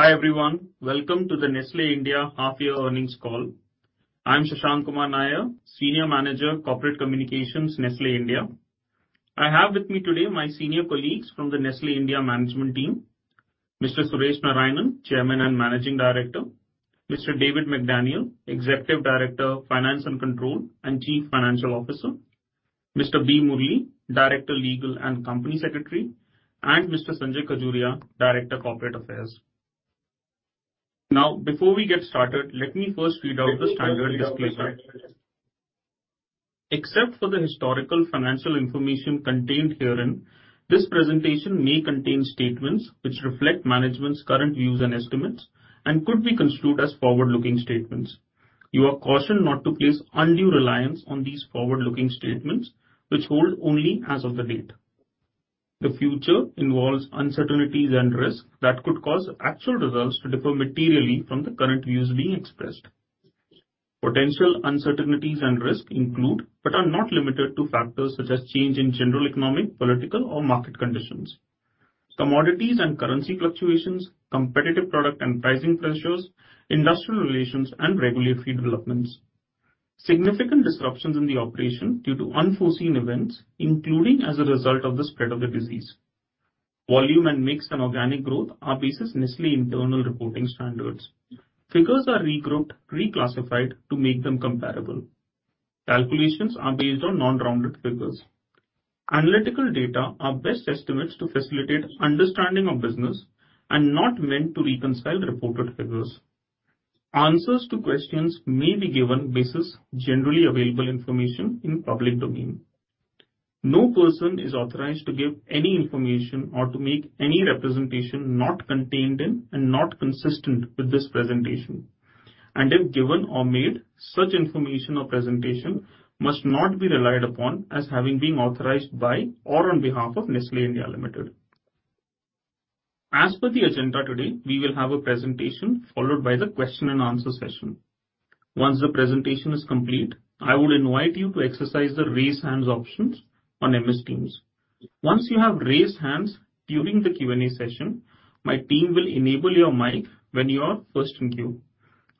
Hi, everyone. Welcome to the Nestlé India half year earnings call. I'm Shashank Kumar Nair, Senior Manager, Corporate Communications, Nestlé India. I have with me today my senior colleagues from the Nestlé India management team, Mr. Suresh Narayanan, Chairman and Managing Director, Mr. David McDaniel, Executive Director, Finance and Control and Chief Financial Officer, Mr. B. Murli, Director, Legal and Company Secretary, and Mr. Sanjay Khajuria, Director, Corporate Affairs. Now, before we get started, let me first read out the standard disclaimer. Except for the historical financial information contained herein, this presentation may contain statements which reflect management's current views and estimates and could be construed as forward-looking statements. You are cautioned not to place undue reliance on these forward-looking statements, which hold only as of the date. The future involves uncertainties and risks that could cause actual results to differ materially from the current views being expressed. Potential uncertainties and risks include, but are not limited to, factors such as change in general economic, political or market conditions, commodities and currency fluctuations, competitive product and pricing pressures, industrial relations and regulatory developments. Significant disruptions in the operation due to unforeseen events, including as a result of the spread of the disease. Volume and mix and organic growth are basis Nestlé internal reporting standards. Figures are regrouped, reclassified to make them comparable. Calculations are based on non-rounded figures. Analytical data are best estimates to facilitate understanding of business and not meant to reconcile reported figures. Answers to questions may be given basis generally available information in public domain. No person is authorized to give any information or to make any representation not contained in and not consistent with this presentation, and if given or made, such information or presentation must not be relied upon as having been authorized by or on behalf of Nestlé India Limited. As per the agenda today, we will have a presentation followed by the question and answer session. Once the presentation is complete, I would invite you to exercise the raise hands options on Microsoft Teams. Once you have raised hands during the Q&A session, my team will enable your mic when you are first in queue.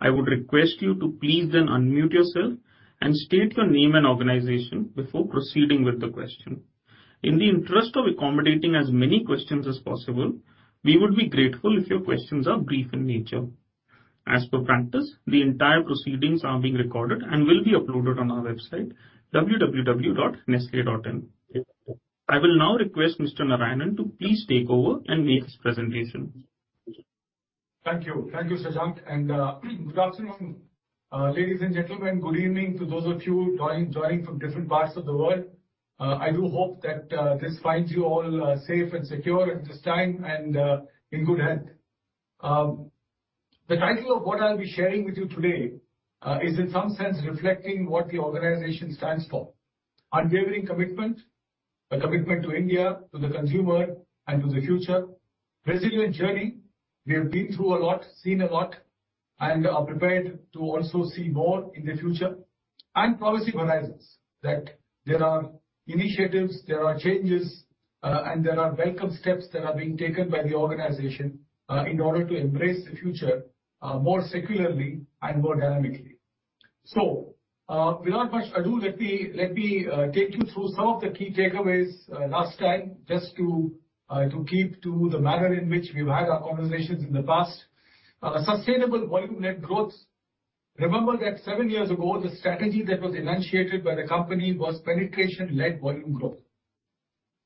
I would request you to please then unmute yourself and state your name and organization before proceeding with the question. In the interest of accommodating as many questions as possible, we would be grateful if your questions are brief in nature. As per practice, the entire proceedings are being recorded and will be uploaded on our website, www.nestle.in. I will now request Mr. Narayanan to please take over and make his presentation. Thank you. Thank you, Shashank, and good afternoon, ladies and gentlemen. Good evening to those of you joining from different parts of the world. I do hope that this finds you all safe and secure at this time and in good health. The title of what I'll be sharing with you today is in some sense reflecting what the organization stands for. Unwavering commitment, a commitment to India, to the consumer, and to the future. Resilient journey. We have been through a lot, seen a lot, and are prepared to also see more in the future. Promising horizons, that there are initiatives, there are changes, and there are welcome steps that are being taken by the organization in order to embrace the future more securely and more dynamically. Without much ado, let me take you through some of the key takeaways last time, just to keep to the manner in which we've had our conversations in the past. Sustainable volume-led growth. Remember that seven years ago, the strategy that was enunciated by the company was penetration-led volume growth.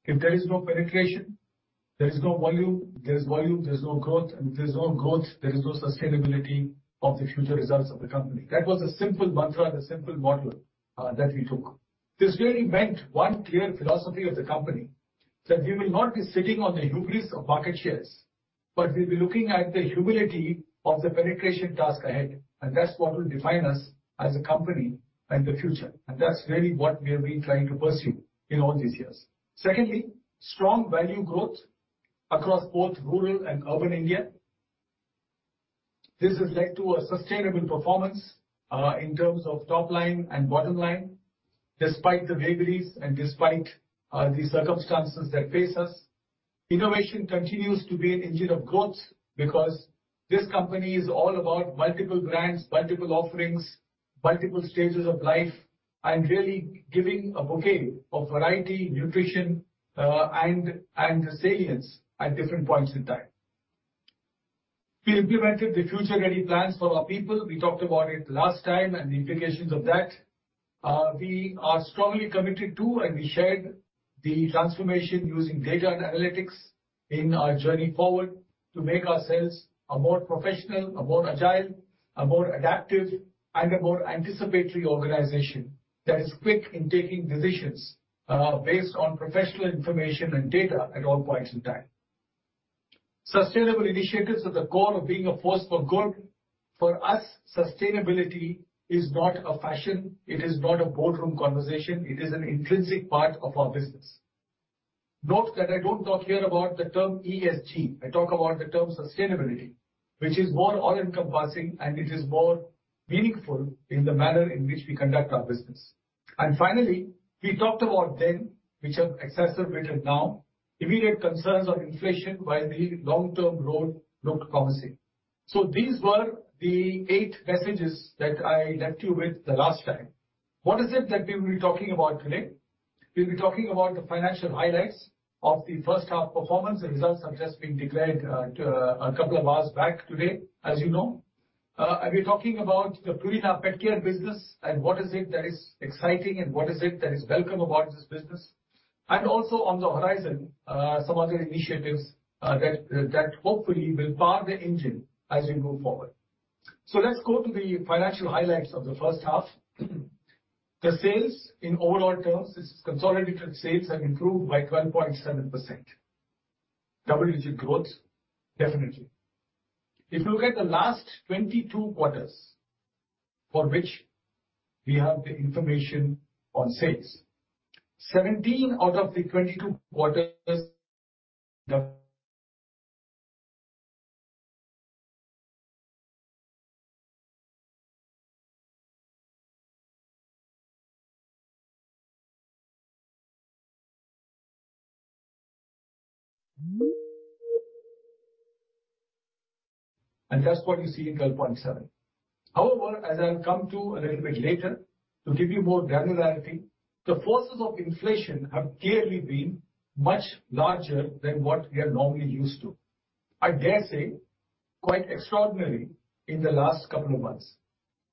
If there is no penetration, there is no volume. If there is volume, there's no growth. If there's no growth, there is no sustainability of the future results of the company. That was a simple mantra, the simple model that we took. This really meant one clear philosophy of the company, that we will not be sitting on the hubris of market shares, but we'll be looking at the humility of the penetration task ahead, and that's what will define us as a company in the future. That's really what we have been trying to pursue in all these years. Secondly, strong value growth across both rural and urban India. This has led to a sustainable performance in terms of top line and bottom line, despite the vagaries and despite the circumstances that face us. Innovation continues to be an engine of growth because this company is all about multiple brands, multiple offerings, multiple stages of life, and really giving a bouquet of variety, nutrition, and salience at different points in time. We implemented the future-ready plans for our people. We talked about it last time and the implications of that. We are strongly committed to and we shared the transformation using data and analytics in our journey forward to make ourselves a more professional, a more agile, a more adaptive, and a more anticipatory organization that is quick in taking decisions, based on professional information and data at all points in time. Sustainable initiatives at the core of being a force for good. For us, sustainability is not a fashion. It is not a boardroom conversation. It is an intrinsic part of our business. Note that I don't talk here about the term ESG. I talk about the term sustainability. Which is more all-encompassing, and it is more meaningful in the manner in which we conduct our business. Finally, we talked about them, which have exacerbated now, immediate concerns on inflation while the long-term road looked promising. These were the eight messages that I left you with the last time. What is it that we will be talking about today? We'll be talking about the financial highlights of the first half performance. The results have just been declared, a couple of hours back today, as you know. I'll be talking about the Purina PetCare business and what is it that is exciting and what is it that is welcome about this business. And also on the horizon, some other initiatives that hopefully will power the engine as we move forward. Let's go to the financial highlights of the first half. The sales in overall terms is consolidated sales have improved by 12.7%. Double-digit growth, definitely. If you look at the last 22 quarters for which we have the information on sales, 17 out of the 22 quarters the That's what you see in 12.7. However, as I'll come to a little bit later, to give you more granularity, the forces of inflation have clearly been much larger than what we are normally used to. I dare say, quite extraordinary in the last couple of months.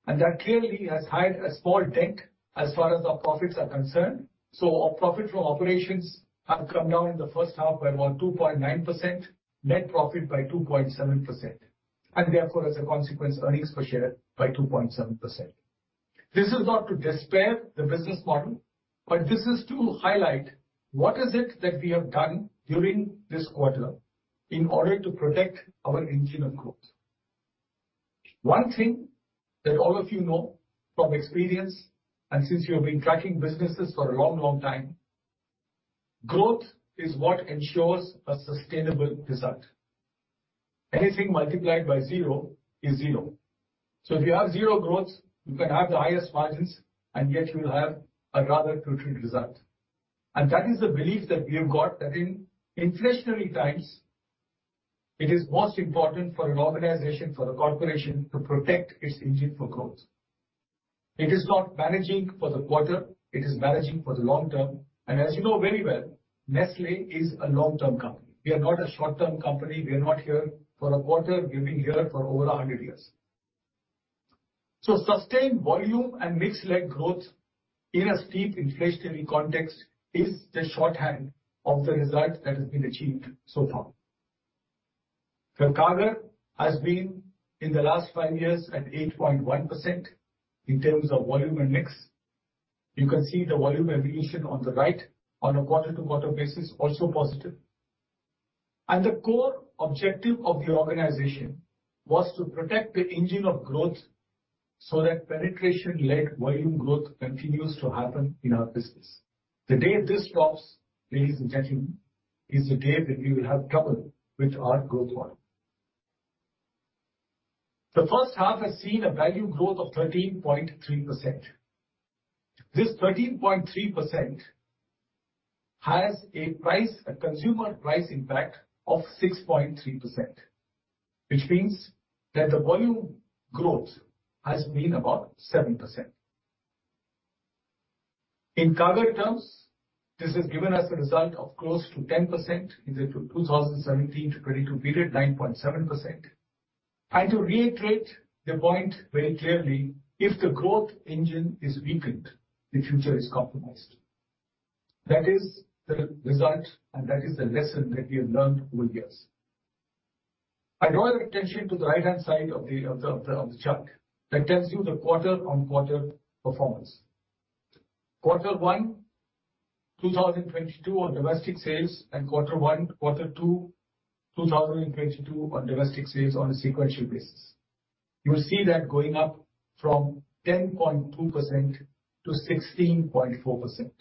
That clearly has had a small dent as far as our profits are concerned. Our profit from operations have come down in the first half by about 2.9%, net profit by 2.7%, and therefore, as a consequence, earnings per share by 2.7%. This is not to despair the business model, but this is to highlight what is it that we have done during this quarter in order to protect our engine of growth. One thing that all of from experience, and since you have been tracking businesses for a long, long time, growth is what ensures a sustainable result. Anything multiplied by zero is zero. If you have zero growth, you can have the highest margins, and yet you'll have a rather putrid result. That is the belief that we have got that in inflationary times, it is most important for an organization, for the corporation to protect its engine for growth. It is not managing for the quarter, it is managing for the long term. As you know very well, Nestlé is a long-term company. We are not a short-term company. We are not here for a quarter. We've been here for over a 100years. Sustained volume and mix-led growth in a steep inflationary context is the shorthand of the result that has been achieved so far. The CAGR has been, in the last five years, at 8.1% in terms of volume and mix. You can see the volume evolution on the right on a quarter-to-quarter basis, also positive. The core objective of the organization was to protect the engine of growth so that penetration-led volume growth continues to happen in our business. The day this stops, ladies and gentlemen, is the day that we will have trouble with our growth model. The first half has seen a value growth of 13.3%. This 13.3% has a price, a consumer price impact of 6.3%, which means that the volume growth has been about 7%. In CAGR terms, this has given us a result of close to 10%. In the 2017-2022 period, 9.7%. To reiterate the point very clearly, if the growth engine is weakened, the future is compromised. That is the result, and that is the lesson that we have learned over years. I draw your attention to the right-hand side of the chart. That tells you the quarter-on-quarter performance. Quarter 1 2022 on domestic sales and Q1 to Q2 2022 on domestic sales on a sequential basis. You will see that going up from 10.2% to 16.4%.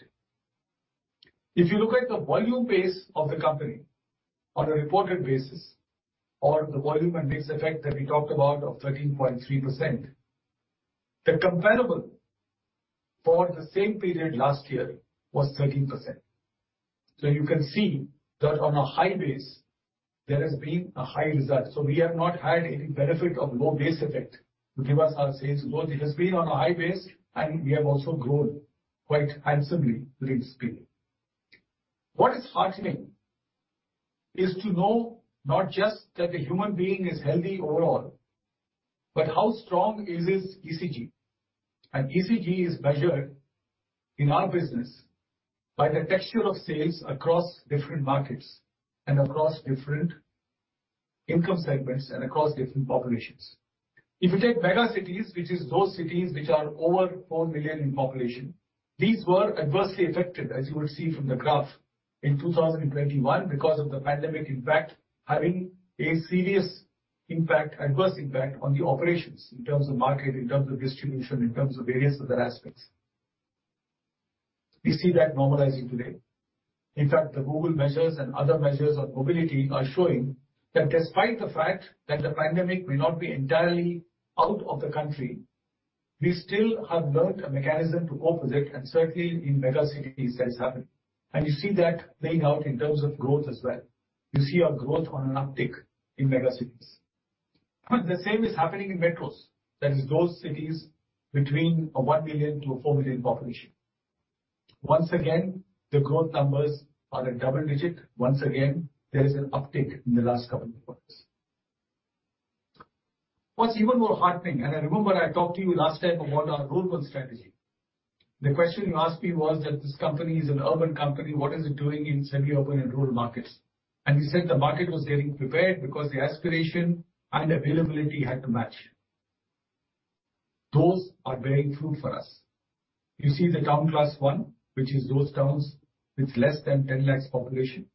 If you look at the volume pace of the company on a reported basis or the volume and mix effect that we talked about of 13.3%, the comparable for the same period last year was 13%. You can see that on a high base, there has been a high result. We have not had any benefit of low base effect to give us our sales growth. It has been on a high base, and we have also grown quite handsomely, ladies and gentlemen. What is heartening is to know not just that the human being is healthy overall, but how strong is his ECG. An ECG is measured in our business by the texture of sales across different markets and across different income segments and across different populations. If you take mega cities, which is those cities which are over 4 million in population, these were adversely affected, as you will see from the graph, in 2021 because of the pandemic impact having a serious impact, adverse impact on the operations in terms of market, in terms of distribution, in terms of various other aspects. We see that normalizing today. In fact, the Google measures and other measures of mobility are showing that despite the fact that the pandemic may not be entirely out of the country, we still have built a mechanism to cope with it, and certainly in mega cities that's happened. You see that playing out in terms of growth as well. You see our growth on an uptick in mega cities. The same is happening in metros. That is those cities between 1 million-4 million population. Once again, the growth numbers are in double digit. Once again, there is an uptick in the last couple of quarters. What's even more heartening, and I remember I talked to you last time about our rural strategy. The question you asked me was that this company is an urban company, what is it doing in semi-urban and rural markets? We said the market was getting prepared because the aspiration and availability had to match. Those are bearing fruit for us. You see the Town Class 1, which is those towns with less than 10 lakhs population.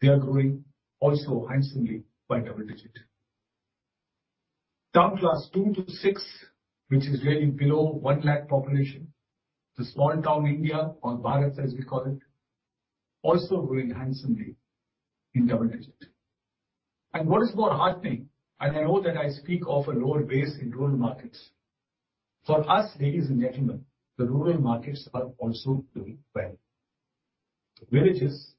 They are growing also handsomely by double digit. Town Class 2 to 6, which is really below 1 lakh population. The small town India or Bharat, as we call it, also growing handsomely in double digit. What is more heartening, and I know that I speak of a lower base in rural markets. For us, ladies and gentlemen, the rural markets are also doing well. Villages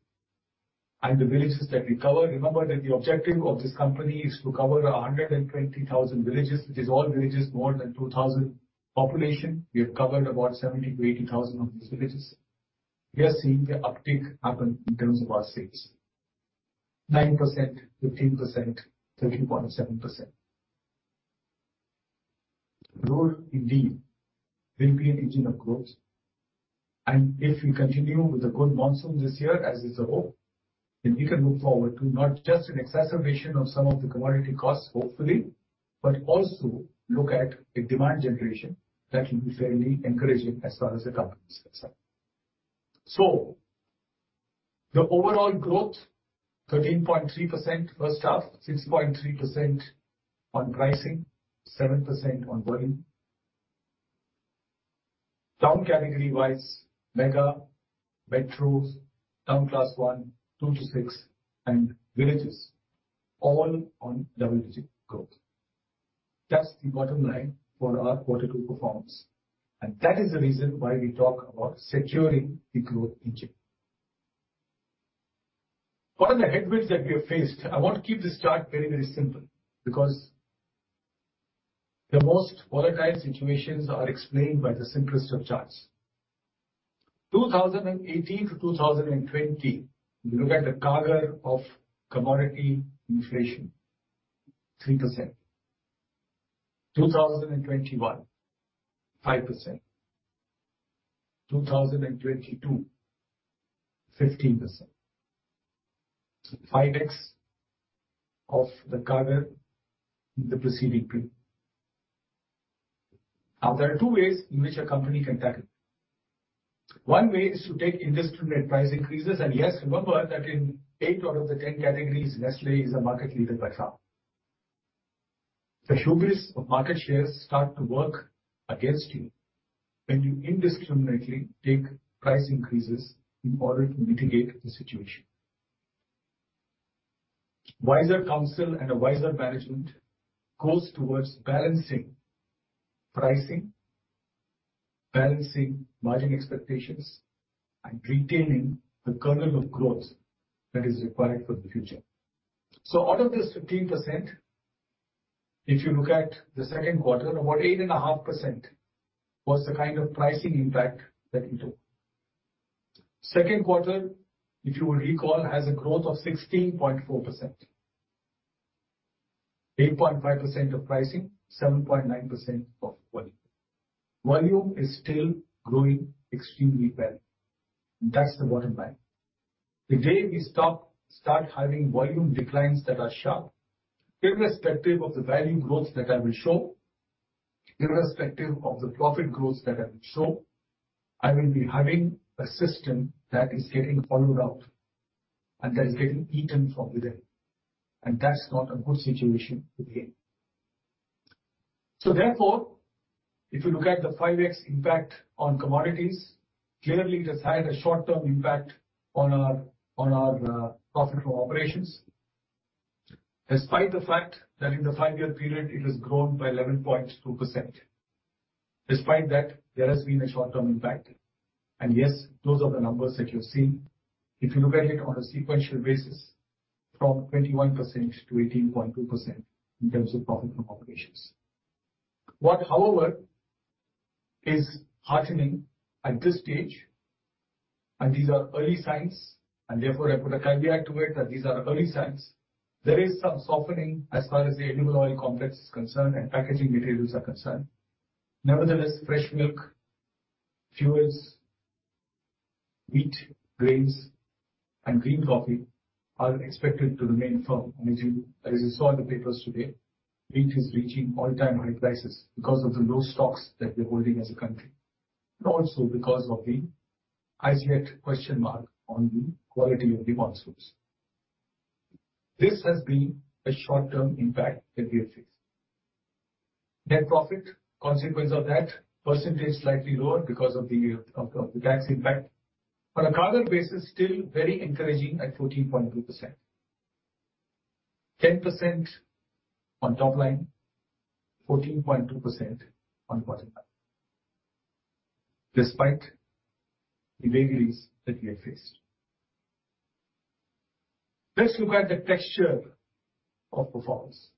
and the villages that we cover, remember that the objective of this company is to cover 120,000 villages, which is all villages more than 2,000 population. We have covered about 70,000-80,000 of these villages. We are seeing the uptick happen in terms of our sales. 9%, 15%, 13.7%. Rural indeed will be an engine of growth. If we continue with the good monsoon this year, as is the hope, then we can look forward to not just an exacerbation of some of the commodity costs, hopefully, but also look at a demand generation that will be fairly encouraging as far as the company is concerned. The overall growth, 13.3% first half, 6.3% on pricing, 7% on volume. Town category-wise, mega, metros, town class one, two to six, and villages all on double-digit growth. That's the bottom line for our Q2 performance. That is the reason why we talk about securing the growth engine. What are the headwinds that we have faced? I want to keep this chart very, very simple, because the most volatile situations are explained by the simplest of charts. 2018-2020, if you look at the CAGR of commodity inflation, 3%. 2021, 5%. 2022, 15%. 5x of the CAGR in the preceding period. Now, there are two ways in which a company can tackle it. One way is to take indiscriminate price increases. Yes, remember that in 8 out of the 10 categories, Nestlé is a market leader by far. The hubris of market shares start to work against you when you indiscriminately take price increases in order to mitigate the situation. Wiser counsel and a wiser management goes towards balancing pricing, balancing margin expectations, and retaining the kernel of growth that is required for the future. Out of this 15%, if you look at the Q2, about 8.5% was the kind of pricing impact that we took. Q2, if you will recall, has a growth of 16.4%. 8.5% of pricing, 7.9% of volume. Volume is still growing extremely well. That's the bottom line. The day we start having volume declines that are sharp, irrespective of the value growth that I will show, irrespective of the profit growth that I will show, I will be having a system that is getting hollowed out and that is getting eaten from within, and that's not a good situation to be in. Therefore, if you look at the 5x impact on commodities, clearly it has had a short-term impact on our profit from operations. Despite the fact that in the five-year period, it has grown by 11.2%. Despite that, there has been a short-term impact. Yes, those are the numbers that you're seeing. If you look at it on a sequential basis, from 21% to 18.2% in terms of profit from operations. What, however, is heartening at this stage, and these are early signs, and therefore I put a caveat to it that these are early signs. There is some softening as far as the edible oil complex is concerned and packaging materials are concerned. Nevertheless, fresh milk, fuels, wheat, grains, and green coffee are expected to remain firm. As you saw in the papers today, wheat is reaching all-time high prices because of the low stocks that we're holding as a country, but also because of the as yet question mark on the quality of the monsoons. This has been a short-term impact that we have faced. Net profit, consequence of that, percentage slightly lower because of the tax impact. On a CAGR basis, still very encouraging at 14.2%. 10% on top line, 14.2% on bottom line, despite the vagaries that we have faced. Let's look at the texture of performance.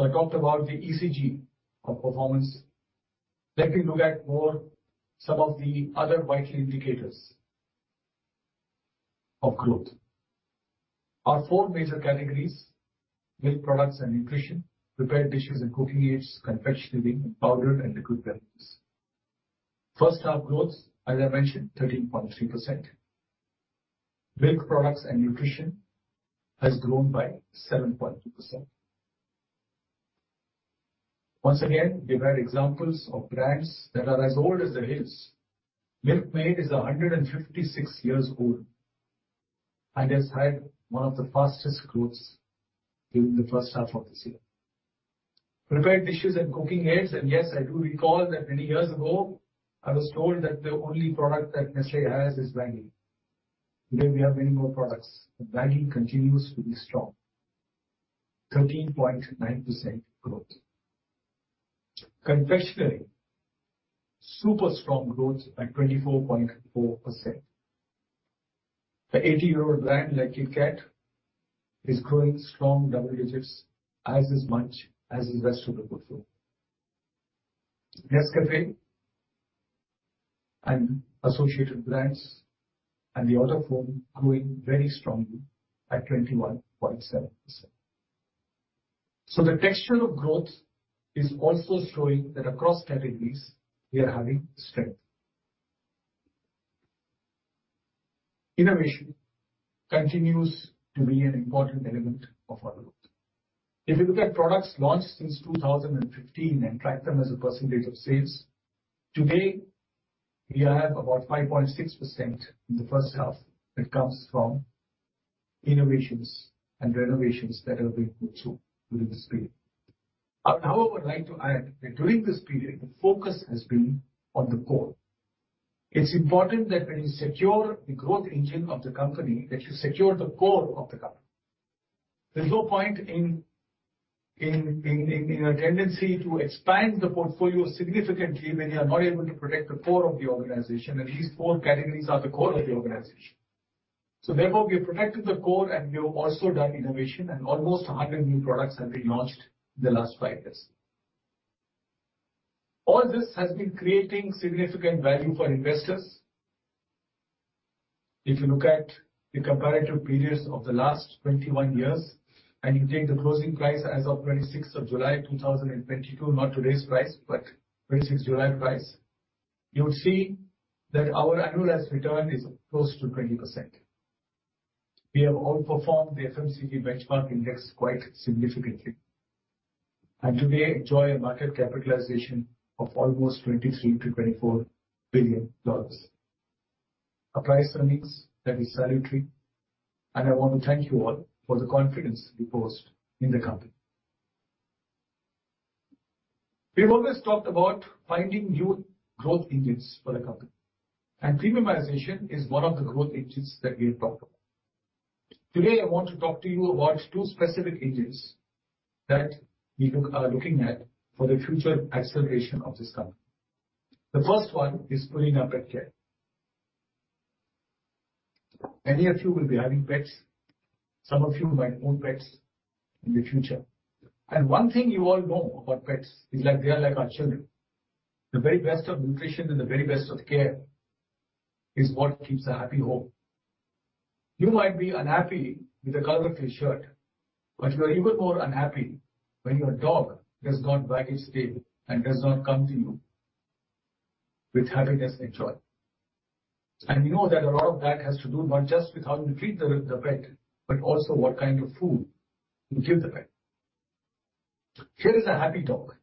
I talked about the ECG of performance. Let me look at some more of the other vital indicators of growth. Our four major categories: Milk Products and Nutrition, Prepared Dishes and Cooking Aids, Confectionery, and Powdered and Liquid Beverages. First half growth, as I mentioned, 13.3%. Milk Products and Nutrition has grown by 7.2%. Once again, we've had examples of brands that are as old as the hills. Milkmaid is 156 years old and has had one of the fastest growths during the first half of this year. Prepared Dishes and Cooking Aids, and yes, I do recall that many years ago I was told that the only product that Nestlé has is Maggi. Today, we have many more products, and Maggi continues to be strong. 13.9% growth. Confectionery, super strong growth at 24.4%. The 80-year-old brand like KitKat is growing strong double digits as is Munch as is rest of the portfolio. Nescafé and associated brands and the portfolio growing very strongly at 21.7%. The texture of growth is also showing that across categories we are having strength. Innovation continues to be an important element of our growth. If you look at products launched since 2015 and track them as a percentage of sales, today, we have about 5.6% in the first half that comes from innovations and renovations that have been put through during this period. I would, however, like to add that during this period, the focus has been on the core. It's important that when you secure the growth engine of the company, that you secure the core of the company. There's no point in a tendency to expand the portfolio significantly when you are not able to protect the core of the organization, and these four categories are the core of the organization. Therefore, we have protected the core, and we have also done innovation. Almost 100 new products have been launched in the last five years. All this has been creating significant value for investors. If you look at the comparative periods of the last 21 years, and you take the closing price as of 26th of July 2022, not today's price, but 26th July price, you would see that our annual return is close to 20%. We have all outperformed the FMCG benchmark index quite significantly, and today we enjoy a market capitalization of almost $23 billion-$24 billion. A price-earnings that is salutary. I want to thank you all for the confidence you place in the company. We've always talked about finding new growth engines for the company, and premiumization is one of the growth engines that we have talked about. Today, I want to talk to you about two specific engines that we are looking at for the future acceleration of this company. The first one is Purina Petcare. Many of you will be having pets. Some of you might own pets in the future. One thing you all know about pets is that they are like our children. The very best of nutrition and the very best of care is what keeps a happy home. You might be unhappy with the color of your shirt, but you are even more unhappy when your dog does not wag his tail and does not come to you with happiness and joy. We know that a lot of that has to do not just with how you treat the pet, but also what kind of food you give the pet. Here is a happy dog.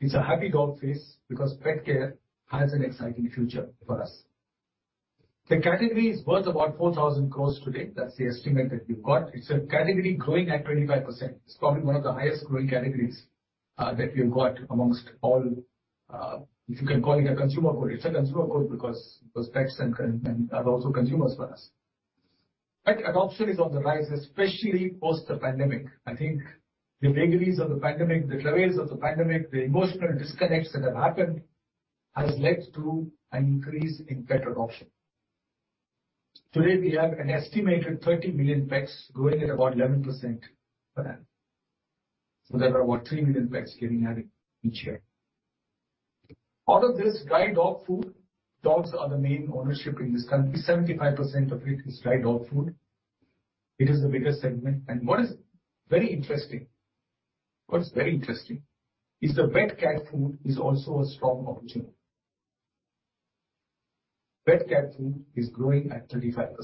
It's a happy dog face because pet care has an exciting future for us. The category is worth about 4,000 crores today. That's the estimate that we've got. It's a category growing at 25%. It's probably one of the highest growing categories that we've got amongst all, if you can call it a consumer good. It's a consumer good because pets and are also consumers for us. Pet adoption is on the rise, especially post the pandemic. I think the vagaries of the pandemic, the travails of the pandemic, the emotional disconnects that have happened has led to an increase in pet adoption. Today, we have an estimated 30 million pets growing at about 11% per annum. There are about 3 million pets getting added each year. Out of this, dry dog food, dogs are the main ownership in this country. 75% of it is dry dog food. It is the biggest segment. What is very interesting is the wet cat food is also a strong opportunity. Wet cat food is growing at 35%.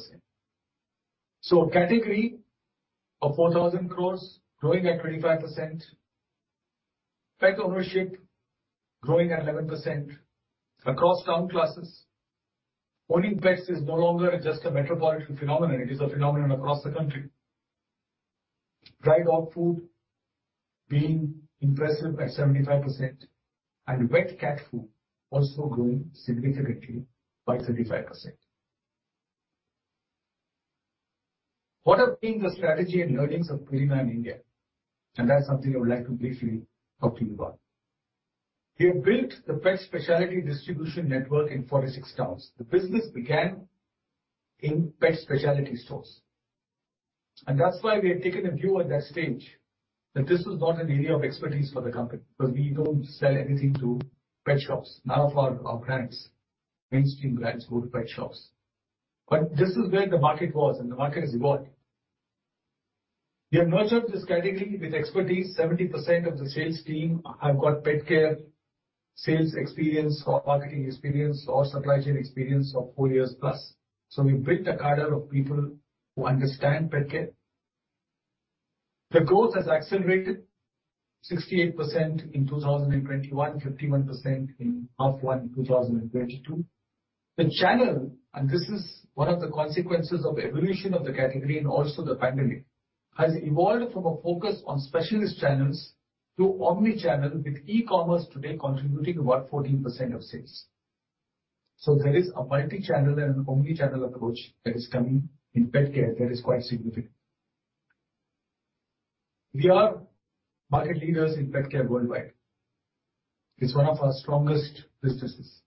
So a category of 4,000 crores growing at 25%. Pet ownership growing at 11% across town classes. Owning pets is no longer just a metropolitan phenomenon, it is a phenomenon across the country. Dry dog food being impressive at 75% and wet cat food also growing significantly by 35%. What have been the strategy and learnings of Purina in India? That's something I would like to briefly talk to you about. We have built the pet specialty distribution network in 46 towns. The business began in pet specialty stores, and that's why we had taken a view at that stage that this was not an area of expertise for the company, 'cause we don't sell anything to pet shops. None of our mainstream brands go to pet shops. This is where the market was, and the market has evolved. We have nurtured this category with expertise. 70% of the sales team have got pet care sales experience or marketing experience or supply chain experience of four years-plus. We built a cadre of people who understand pet care. The growth has accelerated 68% in 2021, 51% in H1 2022. The channel, and this is one of the consequences of evolution of the category and also the pandemic, has evolved from a focus on specialist channels to omni-channel, with e-commerce today contributing about 14% of sales. There is a multi-channel and omni-channel approach that is coming in pet care that is quite significant. We are market leaders in pet care worldwide. It's one of our strongest businesses.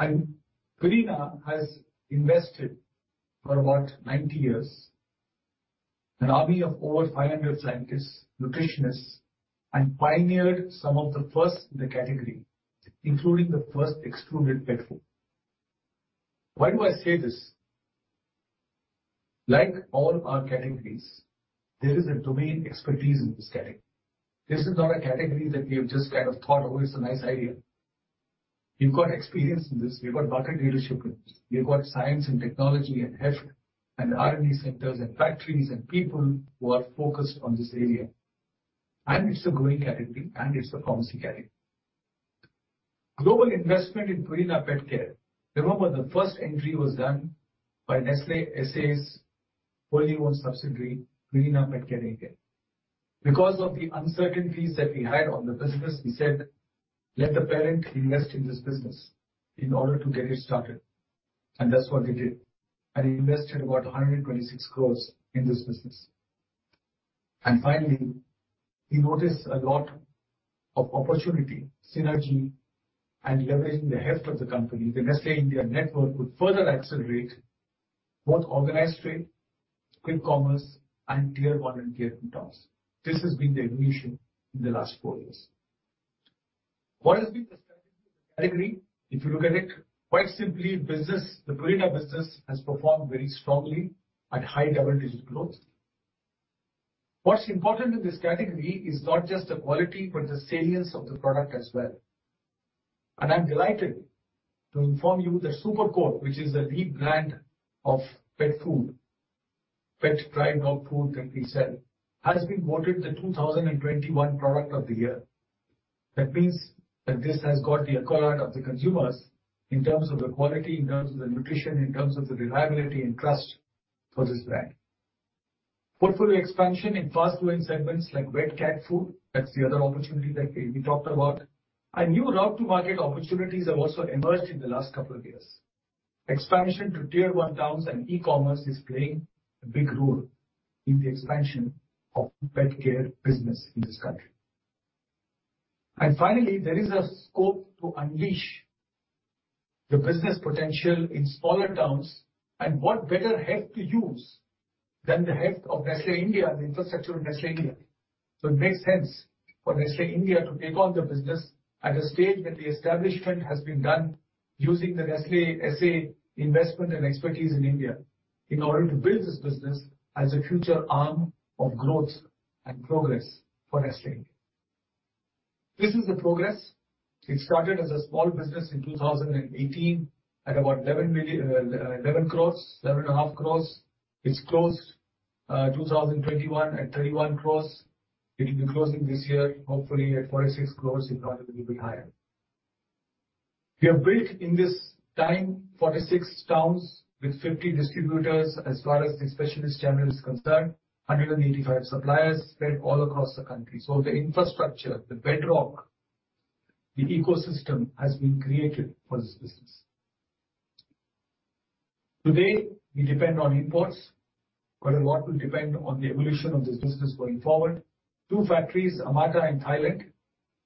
Purina has invested for about 90 years, an army of over 500 scientists, nutritionists, and pioneered some of the first in the category, including the first extruded pet food. Why do I say this? Like all our categories, there is a domain expertise in this category. This is not a category that we have just kind of thought, "Oh, it's a nice idea." We've got experience in this. We've got market leadership in this. We've got science and technology and heft and R&D centers and factories and people who are focused on this area. It's a growing category, and it's a promising category. Global investment in Purina Petcare. Remember, the first entry was done by Nestlé S.A.'s wholly owned subsidiary, Purina PetCare India. Because of the uncertainties that we had on the business, we said, "Let the parent invest in this business in order to get it started." That's what they did and invested about 126 crore in this business. Finally, we noticed a lot of opportunity, synergy, and leveraging the heft of the company. The Nestlé India network would further accelerate both organized trade, quick commerce, and Tier One and Tier Two towns. This has been the evolution in the last four years. What has been the strategy of the category? If you look at it, quite simply, business, the Purina business, has performed very strongly at high double-digit growth. What's important in this category is not just the quality, but the salience of the product as well. I'm delighted to inform you that Supercoat, which is the lead brand of pet food, pet dry dog food that we sell, has been voted the 2021 Product of the Year. That means that this has got the accolade of the consumers in terms of the quality, in terms of the nutrition, in terms of the reliability and trust for this brand. Portfolio expansion in fast-growing segments like wet cat food, that's the other opportunity that we talked about, and new route to market opportunities have also emerged in the last couple of years. Expansion to Tier 1 towns and E-commerce is playing a big role in the expansion of pet care business in this country. Finally, there is a scope to unleash the business potential in smaller towns, and what better heft to use than the heft of Nestlé India, the infrastructure of Nestlé India. It makes sense for Nestlé India to take on the business at a stage that the establishment has been done using the Nestlé S.A. investment and expertise in India in order to build this business as a future arm of growth and progress for Nestlé India. This is the progress. It started as a small business in 2018 at about 11 crore, 11.5 crore. It closed 2021 at 31 crore. It will be closing this year, hopefully, at 46 crore, if not a little bit higher. We have built in this time 46 towns with 50 distributors, as far as the specialist channel is concerned. 185 suppliers spread all across the country. The infrastructure, the bedrock, the ecosystem has been created for this business. Today, we depend on imports, but a lot will depend on the evolution of this business going forward. 2 factories, Amata in Thailand,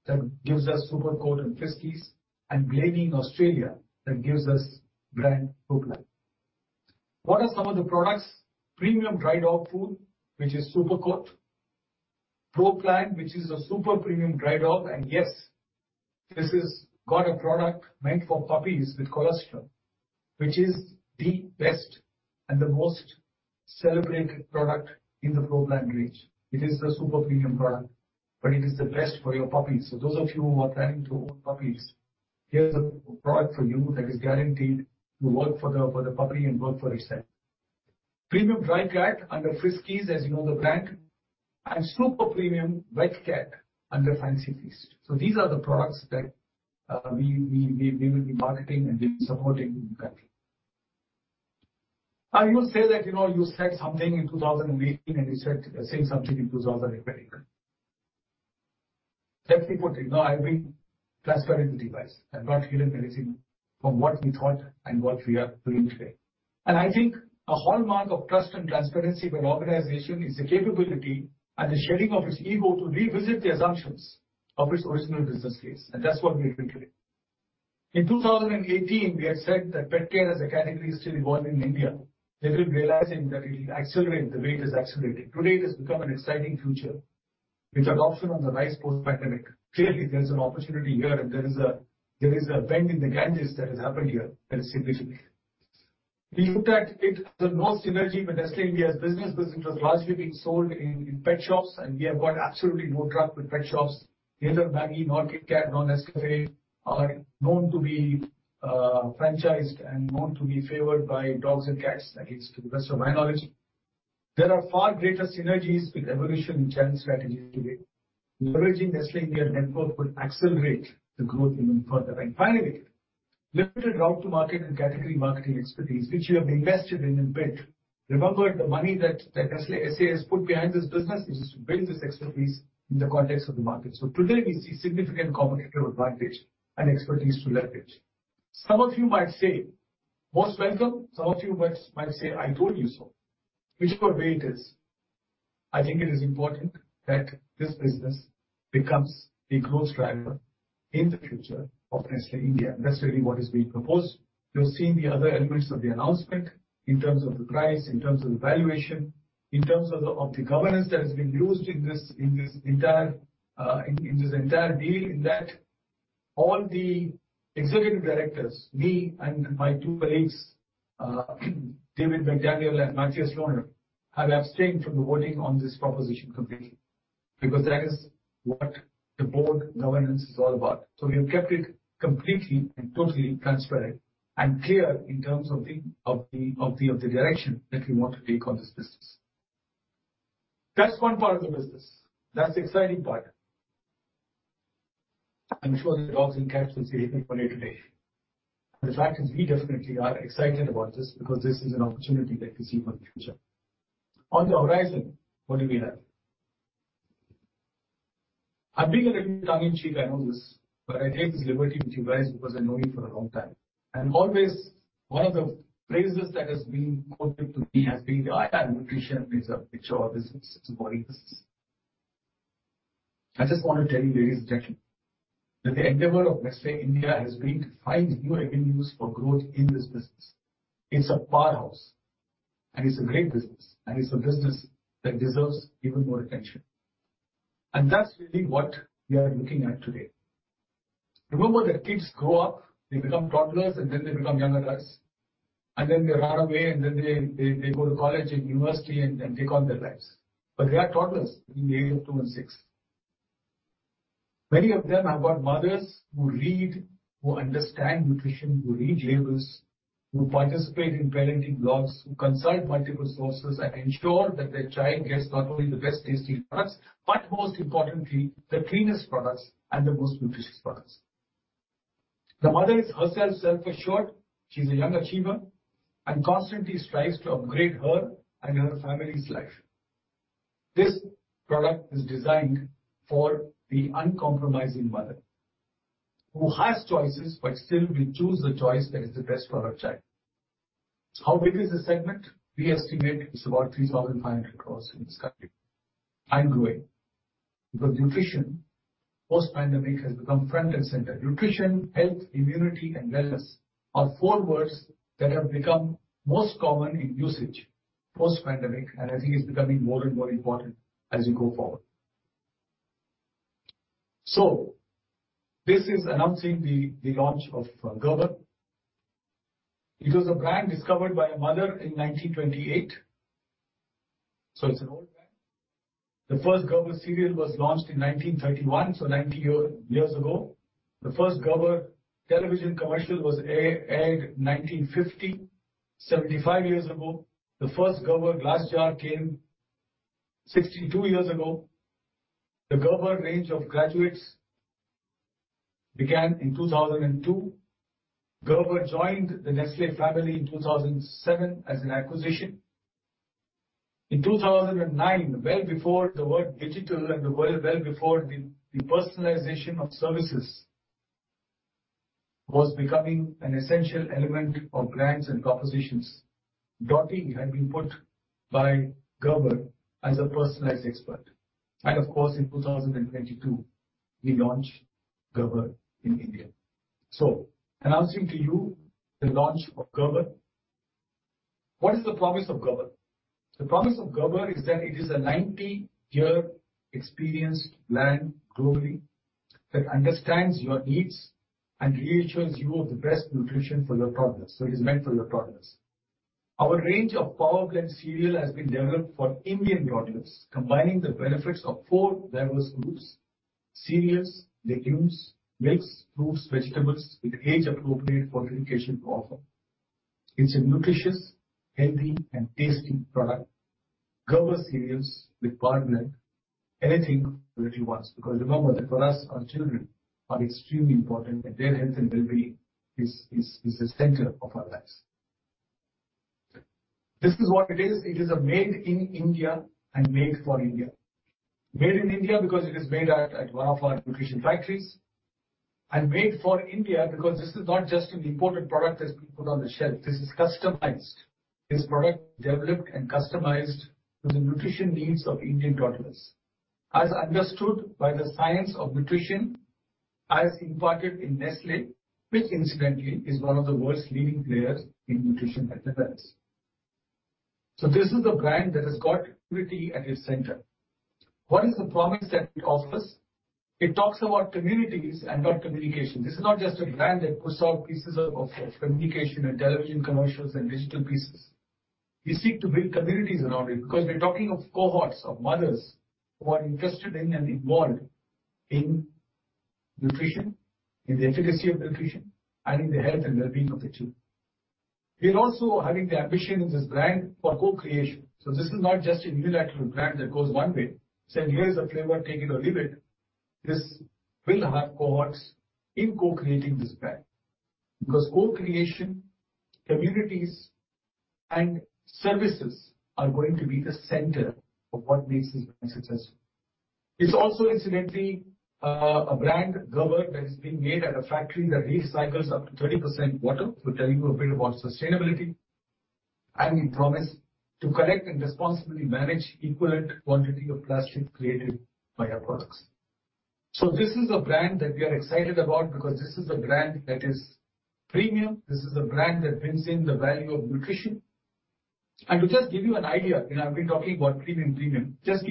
that gives us Supercoat and Friskies, and Blayney in Australia, that gives us brand Pro Plan. What are some of the products? Premium dry dog food, which is Supercoat. Pro Plan, which is a super-premium dry dog. And yes, this has got a product meant for puppies with colostrum, which is the best and the most celebrated product in the Pro Plan range. It is a super-premium product, but it is the best for your puppies. Those of you who are planning to own puppies, here's a product for you that is guaranteed to work for the puppy and work for itself. Premium Dry Cat under Friskies, as you know the brand, and super premium Wet Cat under Fancy Feast. These are the products that we will be marketing, and we'll be supporting in the country. You say that, you said something in 2018, and you said the same something in 2020. Let me put it. No, I've been transparent in devising. I've not hidden anything from what we thought and what we are doing today. I think a hallmark of trust and transparency for an organization is the capability and the shedding of its ego to revisit the assumptions of its original business case, and that's what we're doing today. In 2018, we had said that pet care as a category is still evolving in India. Little realizing that it'll accelerate the way it is accelerating. Today it has become an exciting future with adoption on the rise post-pandemic. Clearly, there's an opportunity here and there is a bend in the Ganges that has happened here that is significant. We looked at it, no synergy with Nestlé India's business because it was largely being sold in pet shops, and we have got absolutely no truck with pet shops. Neither Maggi nor KitKat, nor Nestlé are known to be franchised and known to be favored by dogs and cats. That is, to the best of my knowledge. There are far greater synergies with evolution in channel strategy today. Leveraging Nestlé India network would accelerate the growth even further. Finally, limited route to market and category marketing expertise, which we have invested in and built. Remember, the money that Nestlé S.A. has put behind this business is to build this expertise in the context of the market. Today we see significant competitive advantage and expertise to leverage. Some of you might say most welcome. Some of you might say, "I told you so." Whichever way it is, I think it is important that this business becomes a growth driver in the future of Nestlé India. That's really what is being proposed. You're seeing the other elements of the announcement in terms of the price, in terms of the valuation, in terms of the governance that has been used in this entire deal, in that all the executive directors, me and my two colleagues, David McDaniel and Matthias Lohner, have abstained from the voting on this proposition completely because that is what the board governance is all about. We have kept it completely and totally transparent and clear in terms of the direction that we want to take on this business. That's one part of the business. That's the exciting part. I'm sure the dogs and cats will say even more today. The fact is we definitely are excited about this because this is an opportunity that we see for the future. On the horizon, what do we have? I've been a little tongue-in-cheek, I know this, but I take this liberty with you guys because I've known you for a long time. Always, one of the phrases that has been quoted to me has been, M&N and nutrition makes a pillar of business. It's a boring business." I just want to tell you, ladies and gentlemen, that the endeavor of Nestlé India has been to find new avenues for growth in this business. It's a powerhouse, and it's a great business, and it's a business that deserves even more attention. That's really what we are looking at today. Remember that kids grow up, they become toddlers, and then they become young adults, and then they run away, and then they go to college and university and take on their lives. They are toddlers in the age of 2 and 6. Many of them have got mothers who read, who understand nutrition, who read labels, who participate in parenting blogs, who consult multiple sources and ensure that their child gets not only the best tasting products, but most importantly, the cleanest products and the most nutritious products. The mother is herself self-assured. She's a young achiever and constantly strives to upgrade her and her family's life. This product is designed for the uncompromising mother who has choices but still will choose the choice that is the best for her child. How big is this segment? We estimate it's about 3,500 crores in this country and growing. Because nutrition post-pandemic has become front and center. Nutrition, health, immunity and wellness are four words that have become most common in usage post-pandemic, and I think it's becoming more and more important as you go forward. This is announcing the launch of Gerber. It was a brand discovered by a mother in 1928, so it's an old brand. The first Gerber cereal was launched in 1931, so 90 years ago. The first Gerber television commercial was aired in 1950, 75 years ago. The first Gerber glass jar came 62 years ago. The Gerber range of graduates began in 2002. Gerber joined the Nestlé family in 2007 as an acquisition. In 2009, well before the word digital and the world well before the personalization of services was becoming an essential element of brands and propositions, Dottie had been put by Gerber as a personalized expert. Of course, in 2022, we launched Gerber in India. Announcing to you the launch of Gerber. What is the promise of Gerber? The promise of Gerber is that it is a 90-year experienced brand globally that understands your needs and reassures you of the best nutrition for your toddlers. It is meant for your toddlers. Our range of Powerblend cereal has been developed for Indian toddlers, combining the benefits of four diverse groups, cereals, legumes, milks, fruits, vegetables with age-appropriate fortification to offer. It's a nutritious, healthy, and tasty product. Gerber cereals with Powerblend, anything that he wants. Because remember that for us, our children are extremely important, and their health and well-being is the center of our lives. This is what it is. It is a made in India and made for India. Made in India because it is made at one of our nutrition factories and made for India because this is not just an imported product that's been put on the shelf. This is customized. This product is developed and customized to the nutrition needs of Indian toddlers. As understood by the science of nutrition, as imparted in Nestlé, which incidentally is one of the world's leading players in nutrition and health. This is a brand that has got equity at its center. What is the promise that it offers? It talks about immunity and not communication. This is not just a brand that puts out pieces of communication and television commercials and digital pieces. We seek to build communities around it because we're talking of cohorts of mothers who are interested in and involved in nutrition, in the efficacy of nutrition, and in the health and well-being of their children. We are also having the ambition in this brand for co-creation. This is not just a unilateral brand that goes one way, saying, "Here's a flavor, take it or leave it." This will have cohorts in co-creating this brand. Because co-creation, communities, and services are going to be the center of what makes this brand successful. It's also incidentally a brand, Gerber, that is being made at a factory that recycles up to 30% water, to tell you a bit about sustainability. We promise to collect and responsibly manage equivalent quantity of plastic created by our products. This is a brand that we are excited about because this is a brand that is premium. This is a brand that brings in the value of nutrition. To just give you an idea, and I've been talking about premium, just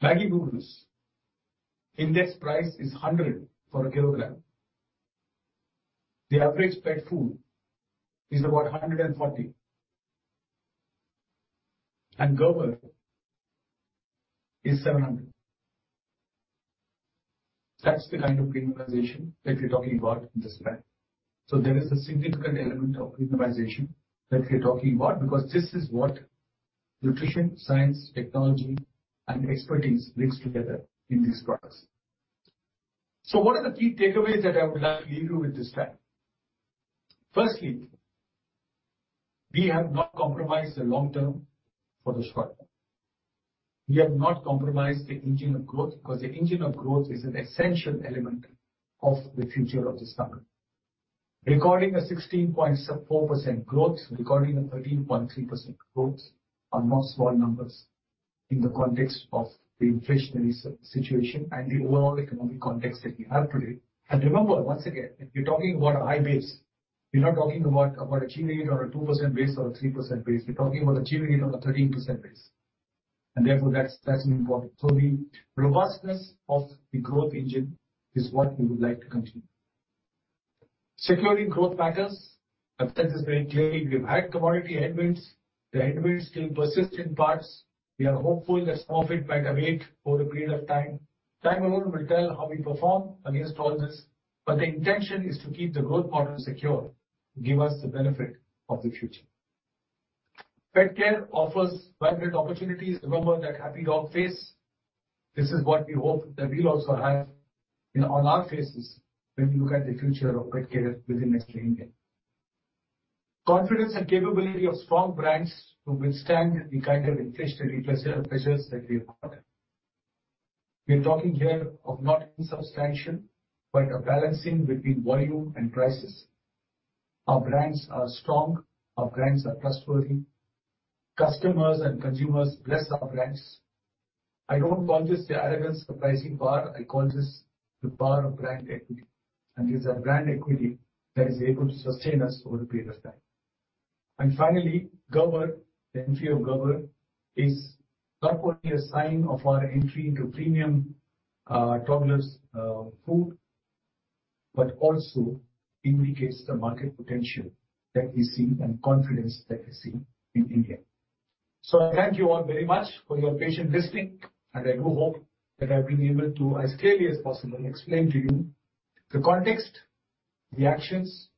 give you an idea. If Maggi Noodles index price is 100 for a kilogram, the average pet food is about 140, and Gerber is 700. That's the kind of premiumization that we're talking about in this brand. There is a significant element of premiumization that we're talking about because this is what nutrition, science, technology, and expertise brings together in these products. What are the key takeaways that I would like to leave you with this time? Firstly, we have not compromised the long term for the short term. We have not compromised the engine of growth because the engine of growth is an essential element of the future of this company. Recording a 16.4% growth, recording a 13.3% growth are not small numbers in the context of the inflationary situation and the overall economic context that we have today. Remember, once again, we're talking about a high base. We're not talking about achieving it on a 2% base or a 3% base. We're talking about achieving it on a 13% base, and therefore, that's important. The robustness of the growth engine is what we would like to continue. Securing growth, as I've said this very clearly, we've had commodity headwinds. The headwinds still persist in parts. We are hopeful that some of it might abate over a period of time. Time alone will tell how we perform against all this, but the intention is to keep the growth model secure, give us the benefit of the future. Petcare offers vibrant opportunities. Remember that happy dog face. This is what we hope that we'll also have in on our faces when we look at the future of Petcare within Nestlé India. Confidence and capability of strong brands to withstand the kind of inflationary pressures that we have had. We're talking here of not insubstantial, but a balancing between volume and prices. Our brands are strong; our brands are trustworthy. Customers and consumers bless our brands. I don't call this the arrogance of pricing power, I call this the power of brand equity. It's our brand equity that is able to sustain us over a period of time. Finally, Gerber, the entry of Gerber is not only a sign of our entry into premium toddlers food but also indicates the market potential that we see and confidence that we see in India. I thank you all very much for your patient listening, and I do hope that I've been able to, as clearly as possible, explain to you the context, the actions,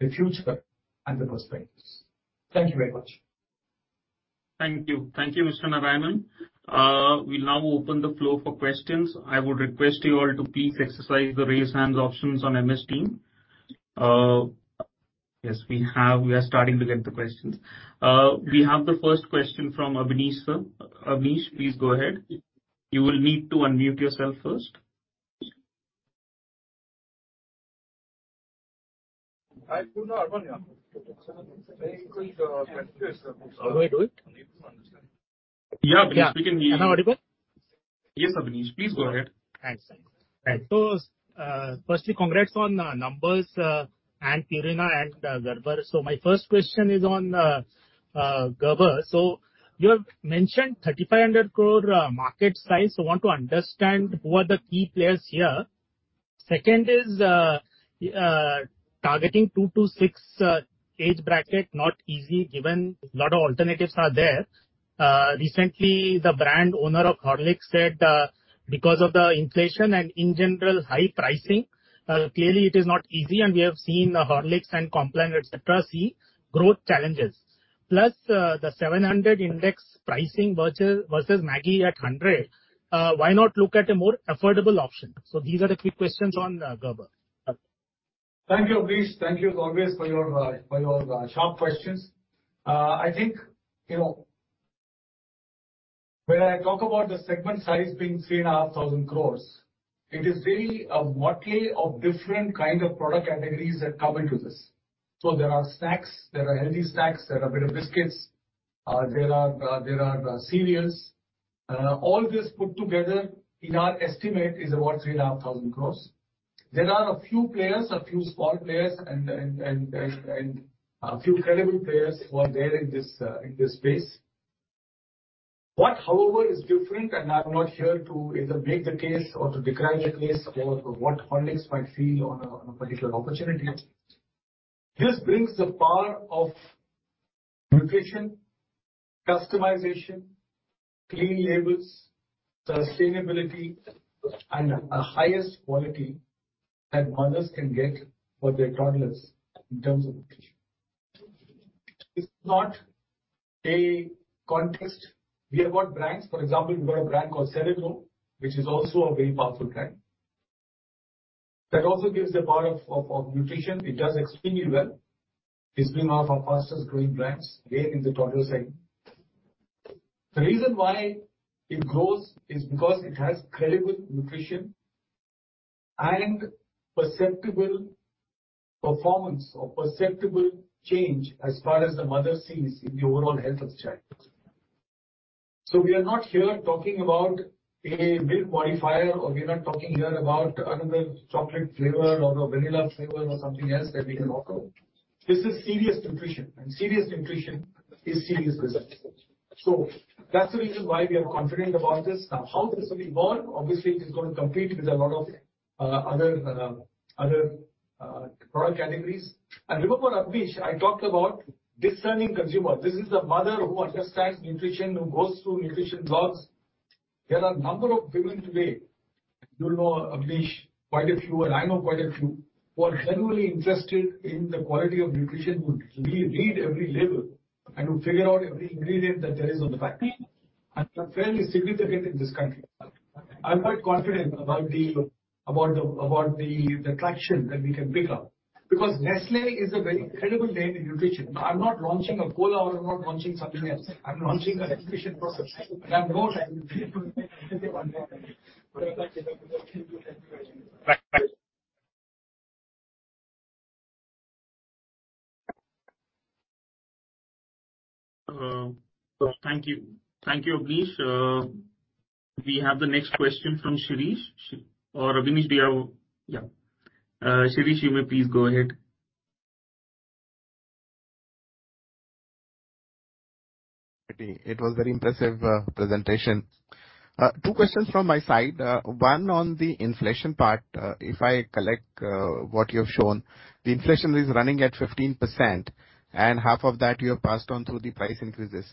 the future, and the prospects. Thank you very much. Thank you. Thank you, Mr. Narayanan. We'll now open the floor for questions. I would request you all to please exercise the raise hands options on Microsoft Teams. Yes, we have. We are starting to get the questions. We have the first question from Abneesh sir. Abneesh, please go ahead. You will need to unmute yourself first. How do I do it? Yeah, Abneesh, we can hear you. Am I audible? Yes, Abneesh, please go ahead. Thanks. Firstly, congrats on numbers, and Purina and Gerber. My first question is on Gerber. You have mentioned 3,500 crore market size. I want to understand who are the key players here. Second is targeting 2-6 age bracket not easy given lot of alternatives are there. Recently the brand owner of Horlicks said, because of the inflation and in general high pricing, clearly it is not easy, and we have seen Horlicks and Complan, et cetera, see growth challenges. Plus, the 700-index pricing versus Maggi at 100, why not look at a more affordable option? These are the key questions on Gerber. Thank you, Abneesh. Thank you as always for your sharp questions. I think, you know, when I talk about the segment size being 3,500 crore, it is really a motley of different kind of product categories that come into this. There are snacks, there are healthy snacks, there are bit of biscuits, there are cereals. All this put together in our estimate is about 3,500 crore. There are a few players, a few small players and a few credible players who are there in this space. What, however, is different, and I'm not here to either make the case or to decry the case or what Horlicks might feel on a particular opportunity. This brings the power of nutrition, customization, clean labels, sustainability, and a highest quality that mothers can get for their toddlers in terms of nutrition. It's not a contest. We have got brands, for example, we've got a brand called Cerelac, which is also a very powerful brand. That also gives the power of nutrition. It does extremely well. It's been one of our fastest growing brands again in the toddler segment. The reason why it grows is because it has credible nutrition and perceptible performance or perceptible change as far as the mother sees in the overall health of child. We are not here talking about a milk modifier, or we are not talking here about another chocolate flavor or a vanilla flavor or something else that we can offer. This is serious nutrition, and serious nutrition is serious business. That's the reason why we are confident about this. Now, how this will be born? Obviously, it is gonna compete with a lot of other product categories. Remember, Abneesh, I talked about discerning consumer. This is the mother who understands nutrition, who goes through nutrition blogs. There are a number of women today, you know, Abneesh, quite a few, and I know quite a few, who are genuinely interested in the quality of nutrition, would re-read every label, and who figure out every ingredient that there is on the packet, and are fairly significant in this country. I'm quite confident about the traction that we can pick up. Because Nestlé is a very credible name in nutrition. I'm not launching a cola or I'm not launching something else. I'm launching a nutrition product. I'm more than Thank you, Abneesh. We have the next question from Shirish. Or Ravneet, do you have? Yeah. Shirish, you may please go ahead. It was very impressive presentation. 2 questions from my side. One on the inflation part. If I collect what you have shown, the inflation is running at 15%, and half of that you have passed on through the price increases.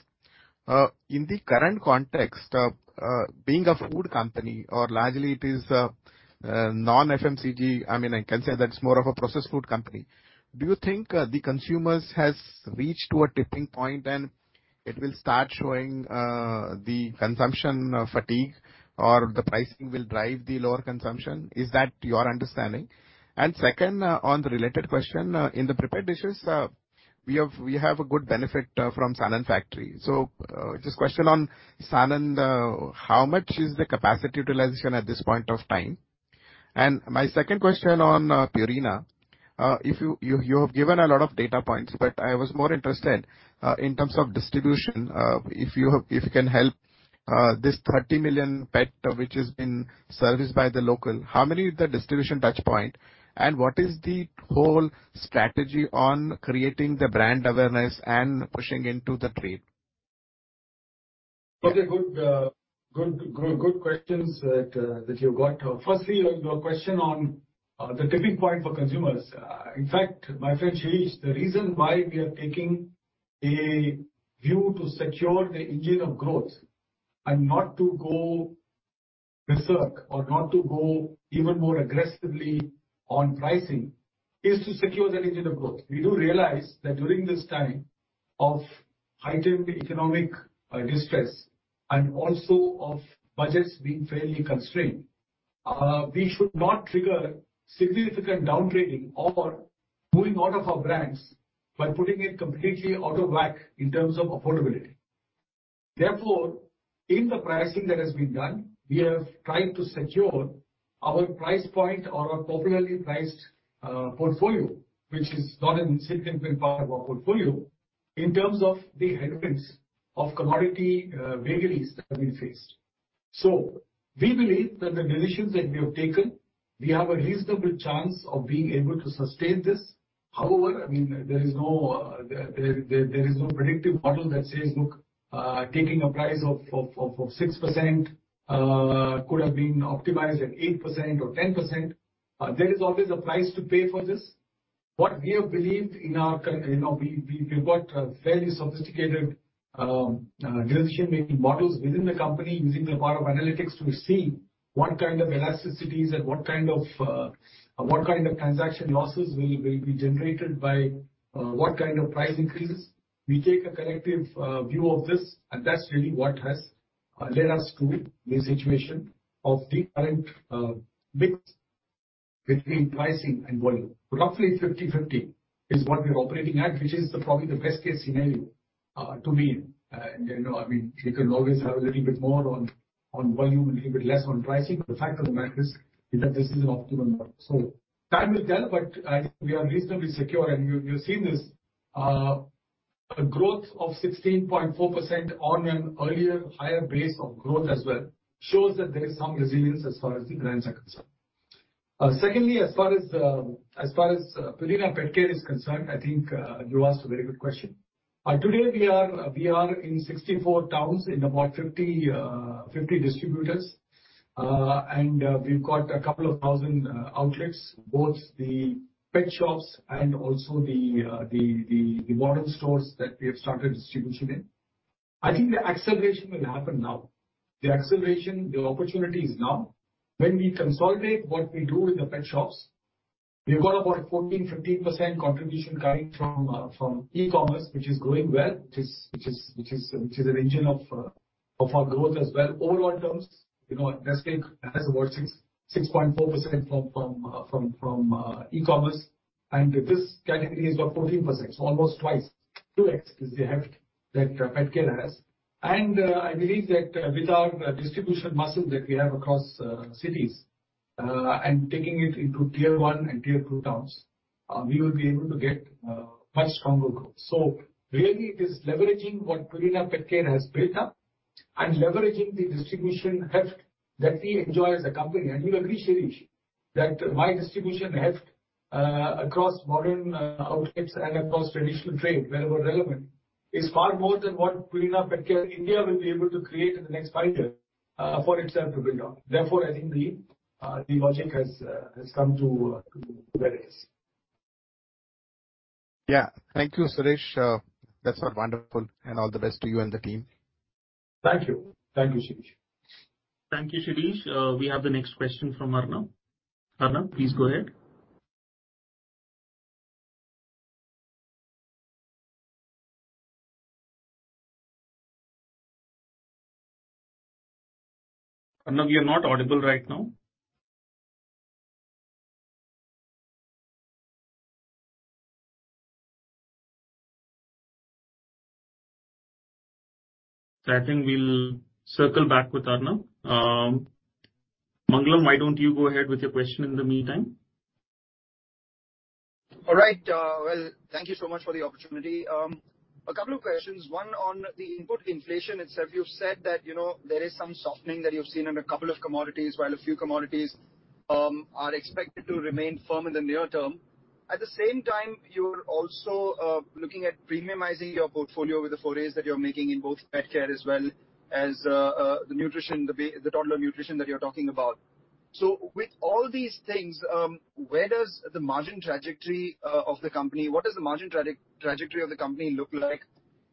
In the current context of being a food company or largely it is non-FMCG, I mean, I can say that it's more of a processed food company. Do you think the consumers has reached to a tipping point and it will start showing the consumption fatigue or the pricing will drive the lower consumption? Is that your understanding? Second, on the related question, in the prepared dishes, we have a good benefit from Sanand factory. Just question on Sanand, how much is the capacity utilization at this point of time? My second question on Purina. If you have given a lot of data points, but I was more interested in terms of distribution, if you can help, this 30 million pet which is being serviced by the local, how many is the distribution touch point? And what is the whole strategy on creating the brand awareness and pushing into the trade? Okay, good questions that you've got. Firstly, your question on the tipping point for consumers. In fact, my friend Shirish, the reason why we are taking a view to secure the engine of growth and not to go berserk or not to go even more aggressively on pricing is to secure that engine of growth. We do realize that during this time of heightened economic distress and also of budgets being fairly constrained, we should not trigger significant downgrading or pulling out of our brands by putting it completely out of whack in terms of affordability. Therefore, in the pricing that has been done, we have tried to secure our price point or our popularly priced portfolio, which is not an insignificant part of our portfolio, in terms of the headwinds of commodity vagaries that we faced. We believe that the decisions that we have taken, we have a reasonable chance of being able to sustain this. However, I mean, there is no predictive model that says, "Look, taking a price of 6% could have been optimized at 8% or 10%." There is always a price to pay for this. You know, we’ve got a fairly sophisticated decision-making models within the company using a lot of analytics to see what kind of elasticities and what kind of transaction losses will be generated by what kind of price increases. We take a collective view of this, and that’s really what has led us to the situation of the current mix between pricing and volume. Roughly 50/50 is what we’re operating at, which is probably the best-case scenario to be in. You know, I mean, we can always have a little bit more on volume, a little bit less on pricing, but the fact of the matter is that this is an optimal model. Time will tell, but I think we are reasonably secure, and you're seeing this. A growth of 16.4% on an earlier higher base of growth as well shows that there is some resilience as far as the brands are concerned. Secondly, as far as Purina Petcare is concerned, I think you asked a very good question. Today we are in 64 towns in about 50 distributors. We've got a couple of thousand outlets, both the pet shops and also the modern stores that we have started distribution in. I think the acceleration will happen now. The acceleration, the opportunity is now. When we consolidate what we do in the pet shops, we've got about 14-15% contribution coming from E-commerce, which is growing well. Which is an engine of our growth as well. Overall terms, Nestlé has about 6.4% from E-commerce, and this category has got 14%, so almost twice, 2x, is the heft that Petcare has. I believe that with our distribution muscle that we have across cities and taking it into tier one and tier two towns, we will be able to get much stronger growth. Really it is leveraging what Purina Petcare has built up and leveraging the distribution heft that we enjoy as a company. You agree, Shirish, that my distribution heft across modern outlets and across traditional trade, wherever relevant, is far more than what Purina Petcare India will be able to create in the next five years for itself to build on. Therefore, I think the logic has come to where it is. Yeah. Thank you, Suresh. That's wonderful. All the best to you and the team. Thank you. Thank you, Shirish. Thank you, Shirish. We have the next question from Arnab. Arnab, please go ahead. Arnab, you're not audible right now. I think we'll circle back with Arnab. Mangalam, why don't you go ahead with your question in the meantime? All right. Well, thank you so much for the opportunity. A couple of questions. One on the input inflation itself. You've said that, there is some softening that you've seen in a couple of commodities, while a few commodities are expected to remain firm in the near term. At the same time, you're also looking at premiumizing your portfolio with the forays that you're making in both Petcare as well as the nutrition, the toddler nutrition that you're talking about. With all these things, what does the margin trajectory of the company look like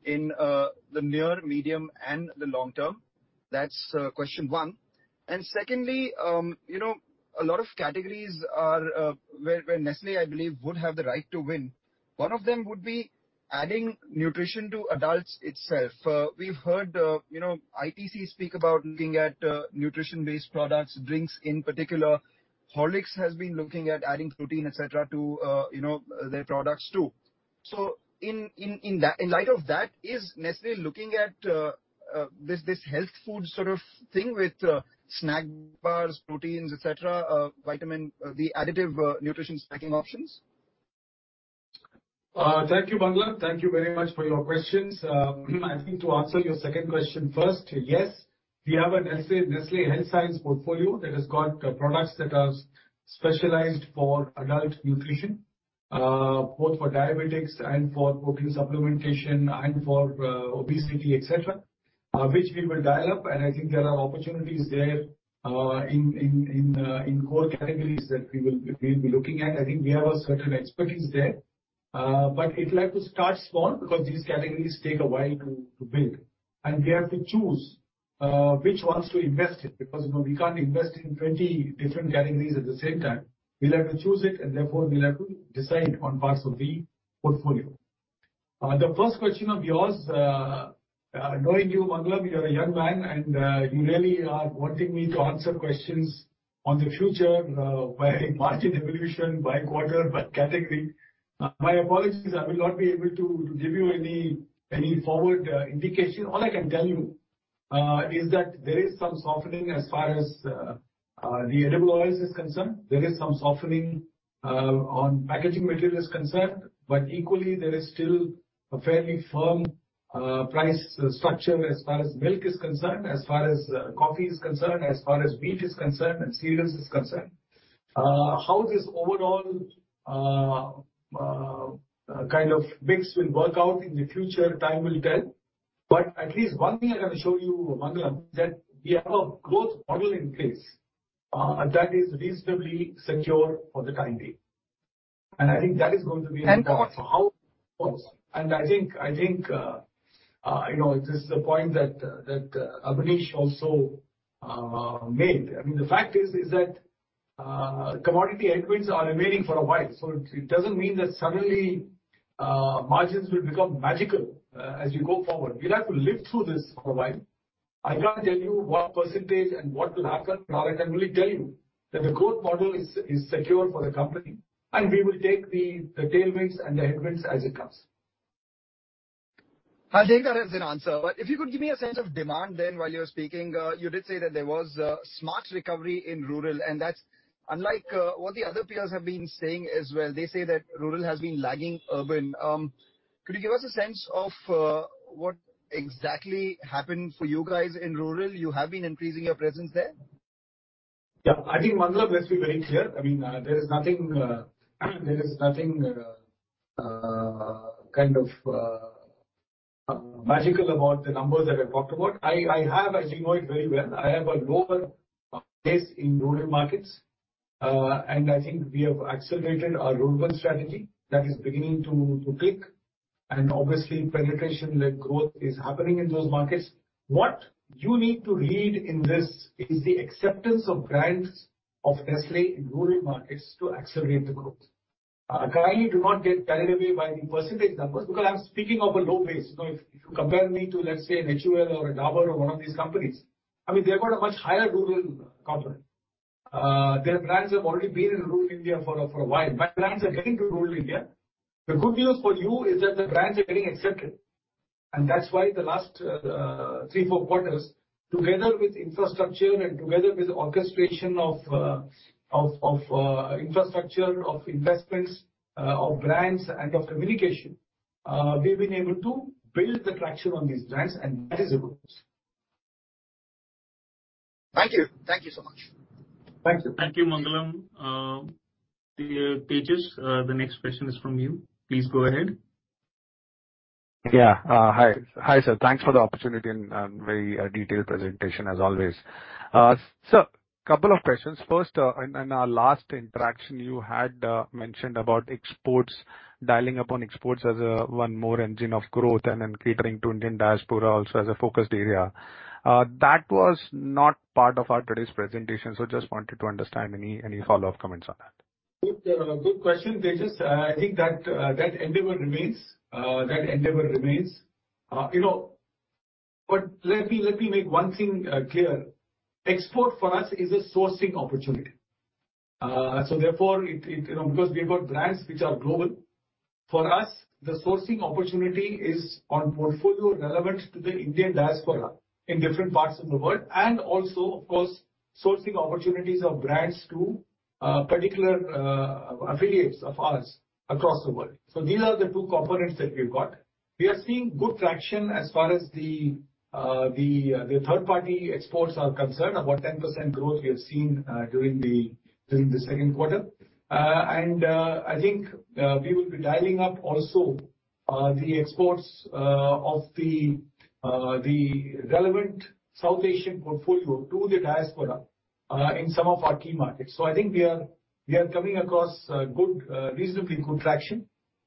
in the near, medium, and the long term? That's question one. Secondly, a lot of categories are where Nestlé, I believe, would have the right to win. One of them would be adding nutrition to adults itself. We've heard, ITC speak about looking at nutrition-based products, drinks in particular. Horlicks has been looking at adding protein, et cetera, to, their products too. In light of that, is Nestlé looking at this health food sort of thing with snack bars, proteins, et cetera, vitamin, the additive, nutrition stacking options? Thank you, Mangalam. Thank you very much for your questions. I think to answer your second question first, yes, we have a Nestlé Health Science portfolio that has got products that are specialized for adult nutrition, both for diabetics and for protein supplementation and for obesity, et cetera, which we will dial up, and I think there are opportunities there in core categories that we will be looking at. I think we have a certain expertise there. It'll have to start small, because these categories take a while to build, and we have to choose which ones to invest in, because, we can't invest in 20 different categories at the same time. We'll have to choose it, and therefore we'll have to decide on parts of the portfolio. The first question of yours, knowing you, Mangalam, you're a young man and you really are wanting me to answer questions on the future, by margin evolution, by quarter, by category. My apologies, I will not be able to give you any forward indication. All I can tell you is that there is some softening as far as the edible oils is concerned. There is some softening on packaging material is concerned, but equally there is still a fairly firm price structure as far as milk is concerned, as far as coffee is concerned, as far as meat is concerned and cereals is concerned. How this overall kind of mix will work out in the future, time will tell. At least one thing I can assure you, Mangalam, that we have a growth model in place, that is reasonably secure for the time being. I think that is going to be important for how- And that- I think you know, this is the point that Abneesh also made. I mean, the fact is that commodity headwinds are remaining for a while, so it doesn't mean that suddenly margins will become magical as you go forward. We'll have to live through this for a while. I can't tell you what percentage and what will happen. All I can really tell you that the growth model is secure for the company, and we will take the tailwinds and the headwinds as it comes. I'll take that as an answer. If you could give me a sense of demand then while you were speaking. You did say that there was a smart recovery in rural, and that's unlike what the other peers have been saying as well. They say that rural has been lagging urban. Could you give us a sense of what exactly happened for you guys in rural? You have been increasing your presence there. Yeah. I think, Mangalam, let's be very clear. I mean, there is nothing kind of magical about the numbers that I talked about. I have, as you know it very well, a lower base in rural markets, and I think we have accelerated our rural strategy that is beginning to click. Obviously penetration-led growth is happening in those markets. What you need to read in this is the acceptance of brands of Nestlé in rural markets to accelerate the growth. Kindly do not get carried away by the percentage numbers, because I'm speaking of a low base. You know, if you compare me to, let's say, an HUL or a Dabur or one of these companies, I mean, they've got a much higher rural component. Their brands have already been in rural India for a while. My brands are getting to rural India. The good news for you is that the brands are getting accepted, and that's why the last Q3, Q4, together with infrastructure and together with orchestration of infrastructure, of investments, of brands and of communication, we've been able to build the traction on these brands, and that is a good news. Thank you. Thank you so much. Thank you. Thank you, Mangalam. Tejas, the next question is from you. Please go ahead. Yeah. Hi. Hi, sir. Thanks for the opportunity and very detailed presentation as always. Couple of questions. First, in our last interaction, you had mentioned about exports, dialing up on exports as one more engine of growth and then catering to Indian diaspora also as a focused area. That was not part of our today's presentation, so just wanted to understand. Any follow-up comments on that? Good question, Tejas. I think that endeavor remains. But let me make one thing clear. Export for us is a sourcing opportunity. Therefore it, because we've got brands which are global, for us the sourcing opportunity is on portfolio relevant to the Indian diaspora in different parts of the world. Also, of course, sourcing opportunities of brands to particular affiliates of ours across the world. These are the two components that we've got. We are seeing good traction as far as the third-party exports are concerned. About 10% growth we have seen during the Q2. I think we will be dialing up also the exports of the relevant South Asian portfolio to the diaspora in some of our key markets. I think we are coming across reasonably good traction.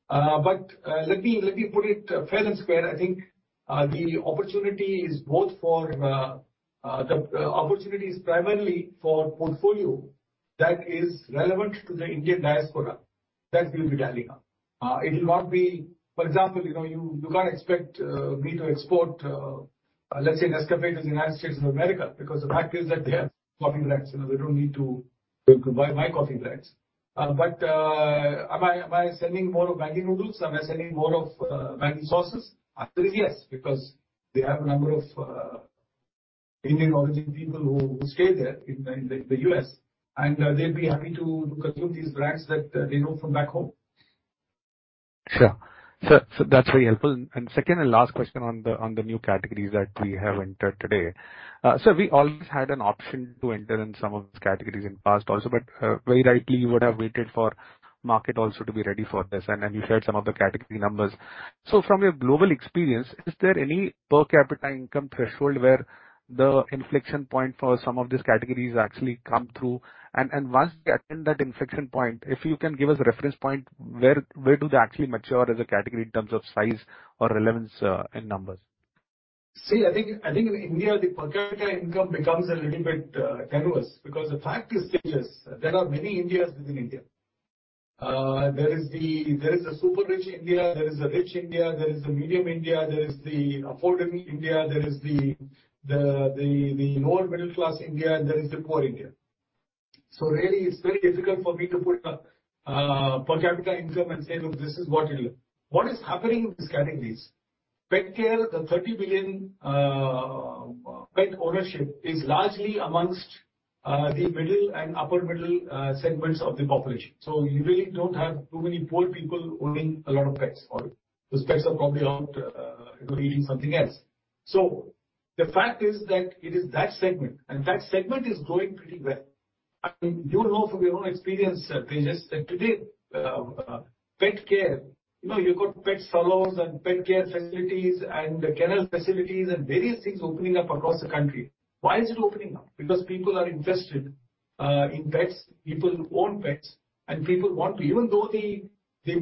Let me put it fair and square. I think the opportunity is primarily for portfolio that is relevant to the Indian diaspora that we'll be dialing up. It'll not be. For example, you can't expect me to export, let's say, Nescafé to the United States of America, because the fact is that they have coffee brands. You know, they don't need to buy my coffee brands. Am I selling more of Maggi Noodles? Am I selling more of, Maggi sauces? The answer is yes, because they have a number of, Indian origin people who stay there in the U.S., and they'd be happy to consume these brands that they know from back home. Sure. That's very helpful. Second and last question on the new categories that we have entered today. We always had an option to enter in some of these categories in past also, but very rightly, you would have waited for market also to be ready for this, and you shared some of the category numbers. From your global experience, is there any per capita income threshold where the inflection point for some of these categories actually come through? Once they attain that inflection point, if you can give us a reference point, where do they actually mature as a category in terms of size or relevance in numbers? I think in India, the per capita income becomes a little bit tenuous because the fact is, Tejas, there are many Indias within India. There is a super rich India, there is a rich India, there is a medium India, there is the affordable India, there is the lower middle class India, and there is the poor India. Really it's very difficult for me to put a per capita income and say, "Look, this is what it'll do." What is happening in these categories, pet care, the 30 billion pet ownership is largely amongst the middle and upper middle segments of the population. You really don't have too many poor people owning a lot of pets. Those pets are probably out, eating something else. The fact is that it is that segment, and that segment is growing pretty well. I mean, you'll know from your own experience, Tejas, that today, pet care, you've got pet salons and pet care facilities and kennel facilities and various things opening up across the country. Why is it opening up? Because people are interested in pets. People own pets. Even though the pet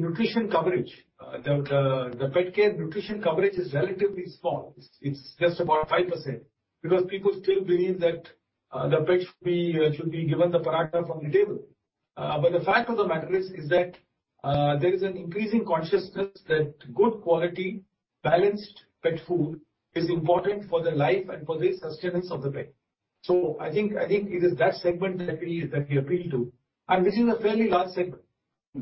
care nutrition coverage is relatively small. It's just about 5%, because people still believe that the pet should be given the paratha from the table. The fact of the matter is that there is an increasing consciousness that good quality balanced pet food is important for the life and for the sustenance of the pet. I think it is that segment that we appeal to, and this is a fairly large segment.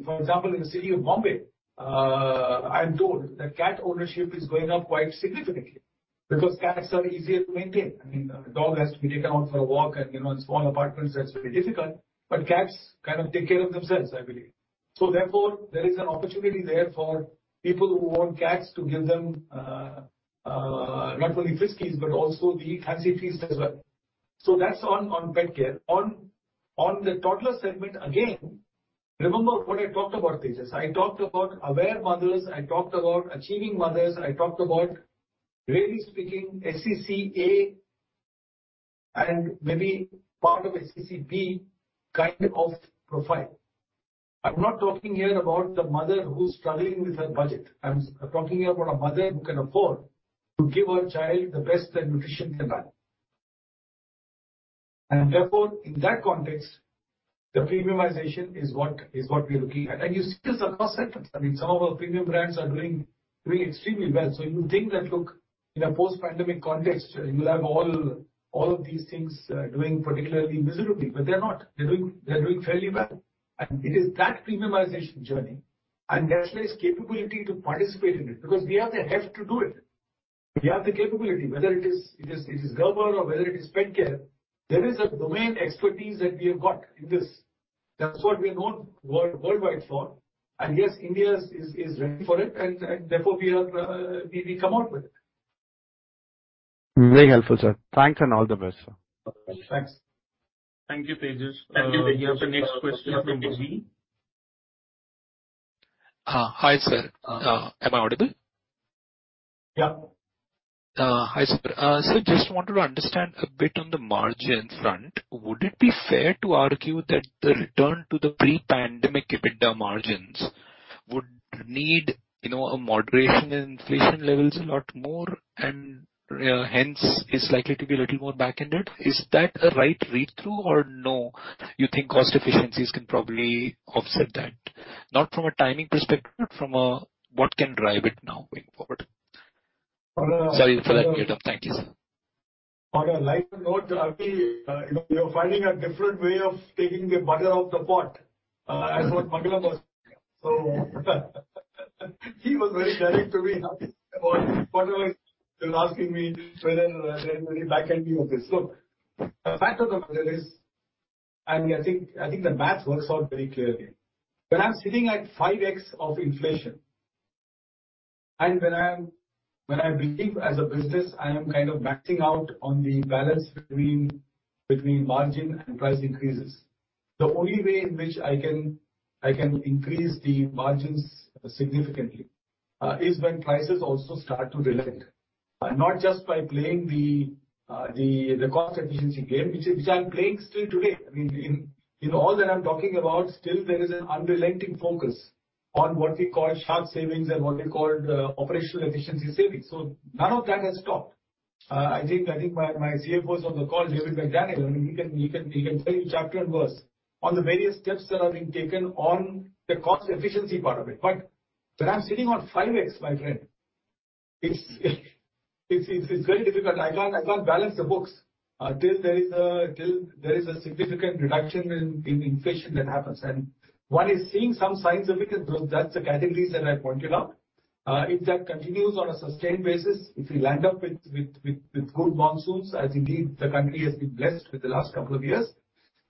For example, in the city of Bombay, I'm told that cat ownership is going up quite significantly because cats are easier to maintain. I mean, a dog has to be taken out for a walk and, in small apartments that's very difficult. But cats kind of take care of themselves, I believe. Therefore, there is an opportunity there for people who own cats to give them not only Friskies, but also the Fancy Feast as well. That's on pet care. On the toddler segment, again, remember what I talked about, Tejas. I talked about aware mothers, I talked about achieving mothers. I talked about really speaking SEC A and maybe part of SEC B kind of profile. I'm not talking here about the mother who's struggling with her budget. I'm talking here about a mother who can afford to give her child the best that nutrition can buy. Therefore, in that context, the premiumization is what we're looking at. You see this across segments. I mean, some of our premium brands are doing extremely well. You would think that, look, in a post-pandemic context, you'll have all of these things doing particularly miserably, but they're not. They're doing fairly well. It is that premiumization journey, and Nestlé's capability to participate in it, because we have the heft to do it. We have the capability, whether it is Gerber or whether it is pet care, there is a domain expertise that we have got in this. That's what we are known worldwide for. Yes, India is ready for it and therefore we come out with it. Very helpful, sir. Thanks and all the best, sir. Thanks. Thank you, Tejas. We have the next question from DG. Hi, sir. Uh-huh. Am I audible? Yeah. Just wanted to understand a bit on the margin front. Would it be fair to argue that the return to the pre-pandemic EBITDA margins would need, a moderation in inflation levels a lot more and, hence is likely to be a little more back-ended? Is that a right read-through or no, you think cost efficiencies can probably offset that? Not from a timing perspective, but from a what can drive it now going forward. On a- Sorry for that, Madhav. Thank you, sir. On a lighter note, Avi, you know, you're finding a different way of taking the butter off the pot, as what Mangalam was saying. He was very direct to me about what was. He was asking me whether there's any back-ending of this. Look, the fact of the matter is, I think the math works out very clearly. When I'm sitting at 5x of inflation, and when I believe as a business I am kind of maxing out on the balance between margin and price increases, the only way in which I can increase the margins significantly is when prices also start to relent. Not just by playing the cost efficiency game, which I'm playing still today. I mean, in all that I'm talking about, still there is an unrelenting focus on what we call sharp savings and what we call operational efficiency savings. None of that has stopped. I think my CFO is on the call, David McDaniel. I mean, he can tell you chapter and verse on the various steps that are being taken on the cost efficiency part of it. When I'm sitting on 5x, my friend, it's very difficult. I can't balance the books till there is a significant reduction in inflation that happens. One is seeing some signs of it in those, that's the categories that I pointed out. If that continues on a sustained basis, if we land up with good monsoons, as indeed the country has been blessed with the last couple of years,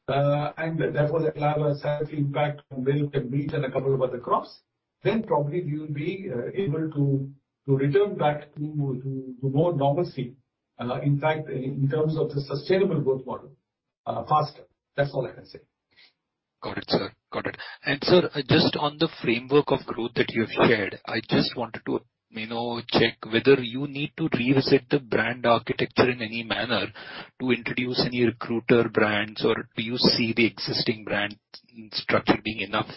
and therefore that will have a sizable impact on milk and meat and a couple of other crops, then probably we will be able to return back to more normalcy, in fact, in terms of the sustainable growth model, faster. That's all I can say. Got it, sir. Got it. Sir, just on the framework of growth that you have shared, I just wanted to, check whether you need to revisit the brand architecture in any manner to introduce any recruiter brands or do you see the existing brand structure being enough?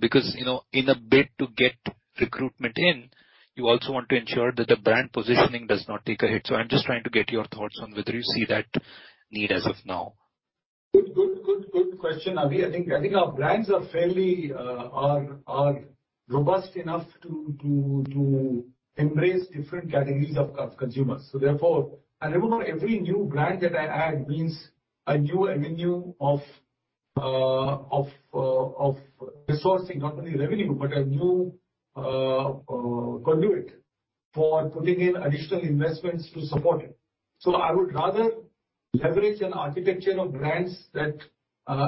Because, you know, in a bid to get recruitment in, you also want to ensure that the brand positioning does not take a hit. I'm just trying to get your thoughts on whether you see that need as of now. Good question, Avi. I think our brands are fairly robust enough to embrace different categories of consumers. Therefore. Remember, every new brand that I add means a new avenue of resourcing not only revenue, but a new conduit for putting in additional investments to support it. I would rather leverage an architecture of brands that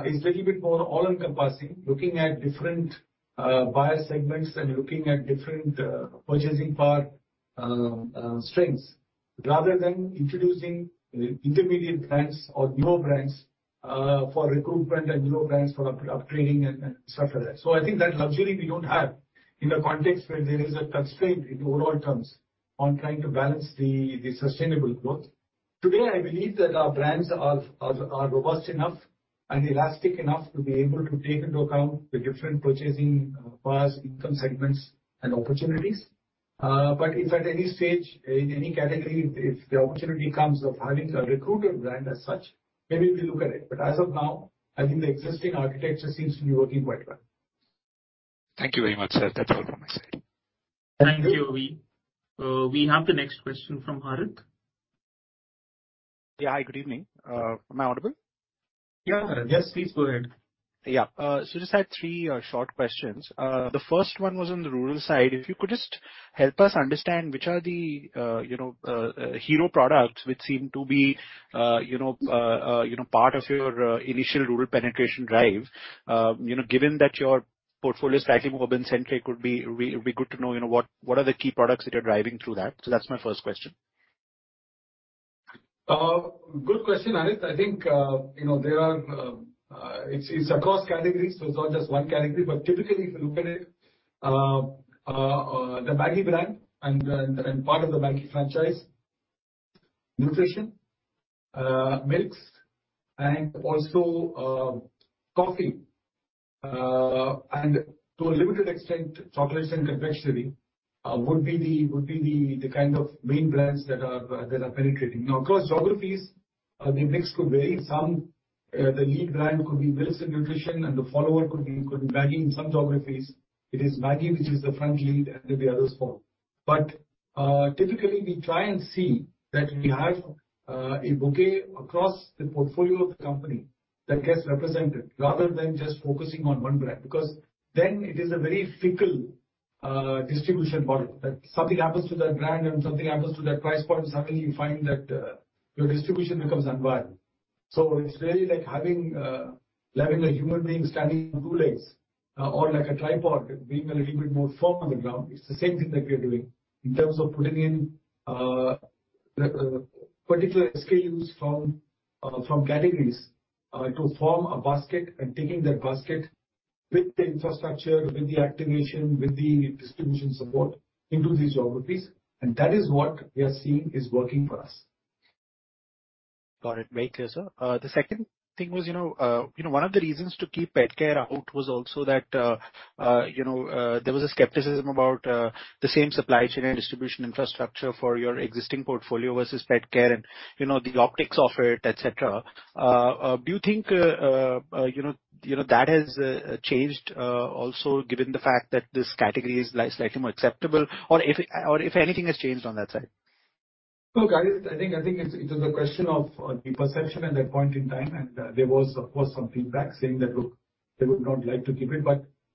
is little bit more all-encompassing, looking at different buyer segments and looking at different purchasing power strengths, rather than introducing intermediate brands or new brands for recruitment and new brands for upgrading and such like that. I think that luxury we don't have in a context where there is a constraint in overall terms on trying to balance the sustainable growth. Today, I believe that our brands are robust enough and elastic enough to be able to take into account the different purchasing powers, income segments and opportunities. If at any stage, any category, if the opportunity comes of having a recruiter brand as such, maybe we'll look at it. As of now, I think the existing architecture seems to be working quite well. Thank you very much, sir. That's all from my side. Thank you, Avi. We have the next question from Harit. Yeah. Good evening. Am I audible? Yeah, Harit. Yes, please go ahead. Yeah. Just had three short questions. The first one was on the rural side. If you could just help us understand which are the hero products which seem to be part of your initial rural penetration drive. Given that your portfolio is slightly more urban-centric, would be good to know what are the key products that are driving through that. That's my first question. Good question, Harit. I think, you know, it's across categories, so it's not just one category. Typically, if you look at it, the Maggi brand and part of the Maggi franchise, nutrition, milks, and also, coffee, and to a limited extent, chocolates and confectionery, would be the kind of main brands that are penetrating. Now, across geographies, the mix could vary. Some, the lead brand could be milks and nutrition, and the follower could be Maggi. In some geographies, it is Maggi which is the front lead, and then the others follow. Typically, we try and see that we have a bouquet across the portfolio of the company that gets represented rather than just focusing on one brand, because then it is a very fickle distribution model, that something happens to that brand and something happens to that price point, suddenly you find that your distribution becomes unwieldy. It's really like having a human being standing on two legs or like a tripod being a little bit more firm on the ground. It's the same thing that we are doing in terms of putting in the particular SKUs from categories to form a basket and taking that basket with the infrastructure, with the activation, with the distribution support into these geographies. That is what we are seeing is working for us. Got it. Very clear, sir. The second thing was, one of the reasons to keep pet care out was also that, there was a skepticism about the same supply chain and distribution infrastructure for your existing portfolio versus pet care and, the optics of it, et cetera. Do you think, that has changed also given the fact that this category is slightly more acceptable, or if anything has changed on that side? Look, Harit, I think it's a question of the perception at that point in time, and there was of course some feedback saying that, look, they would not like to keep it.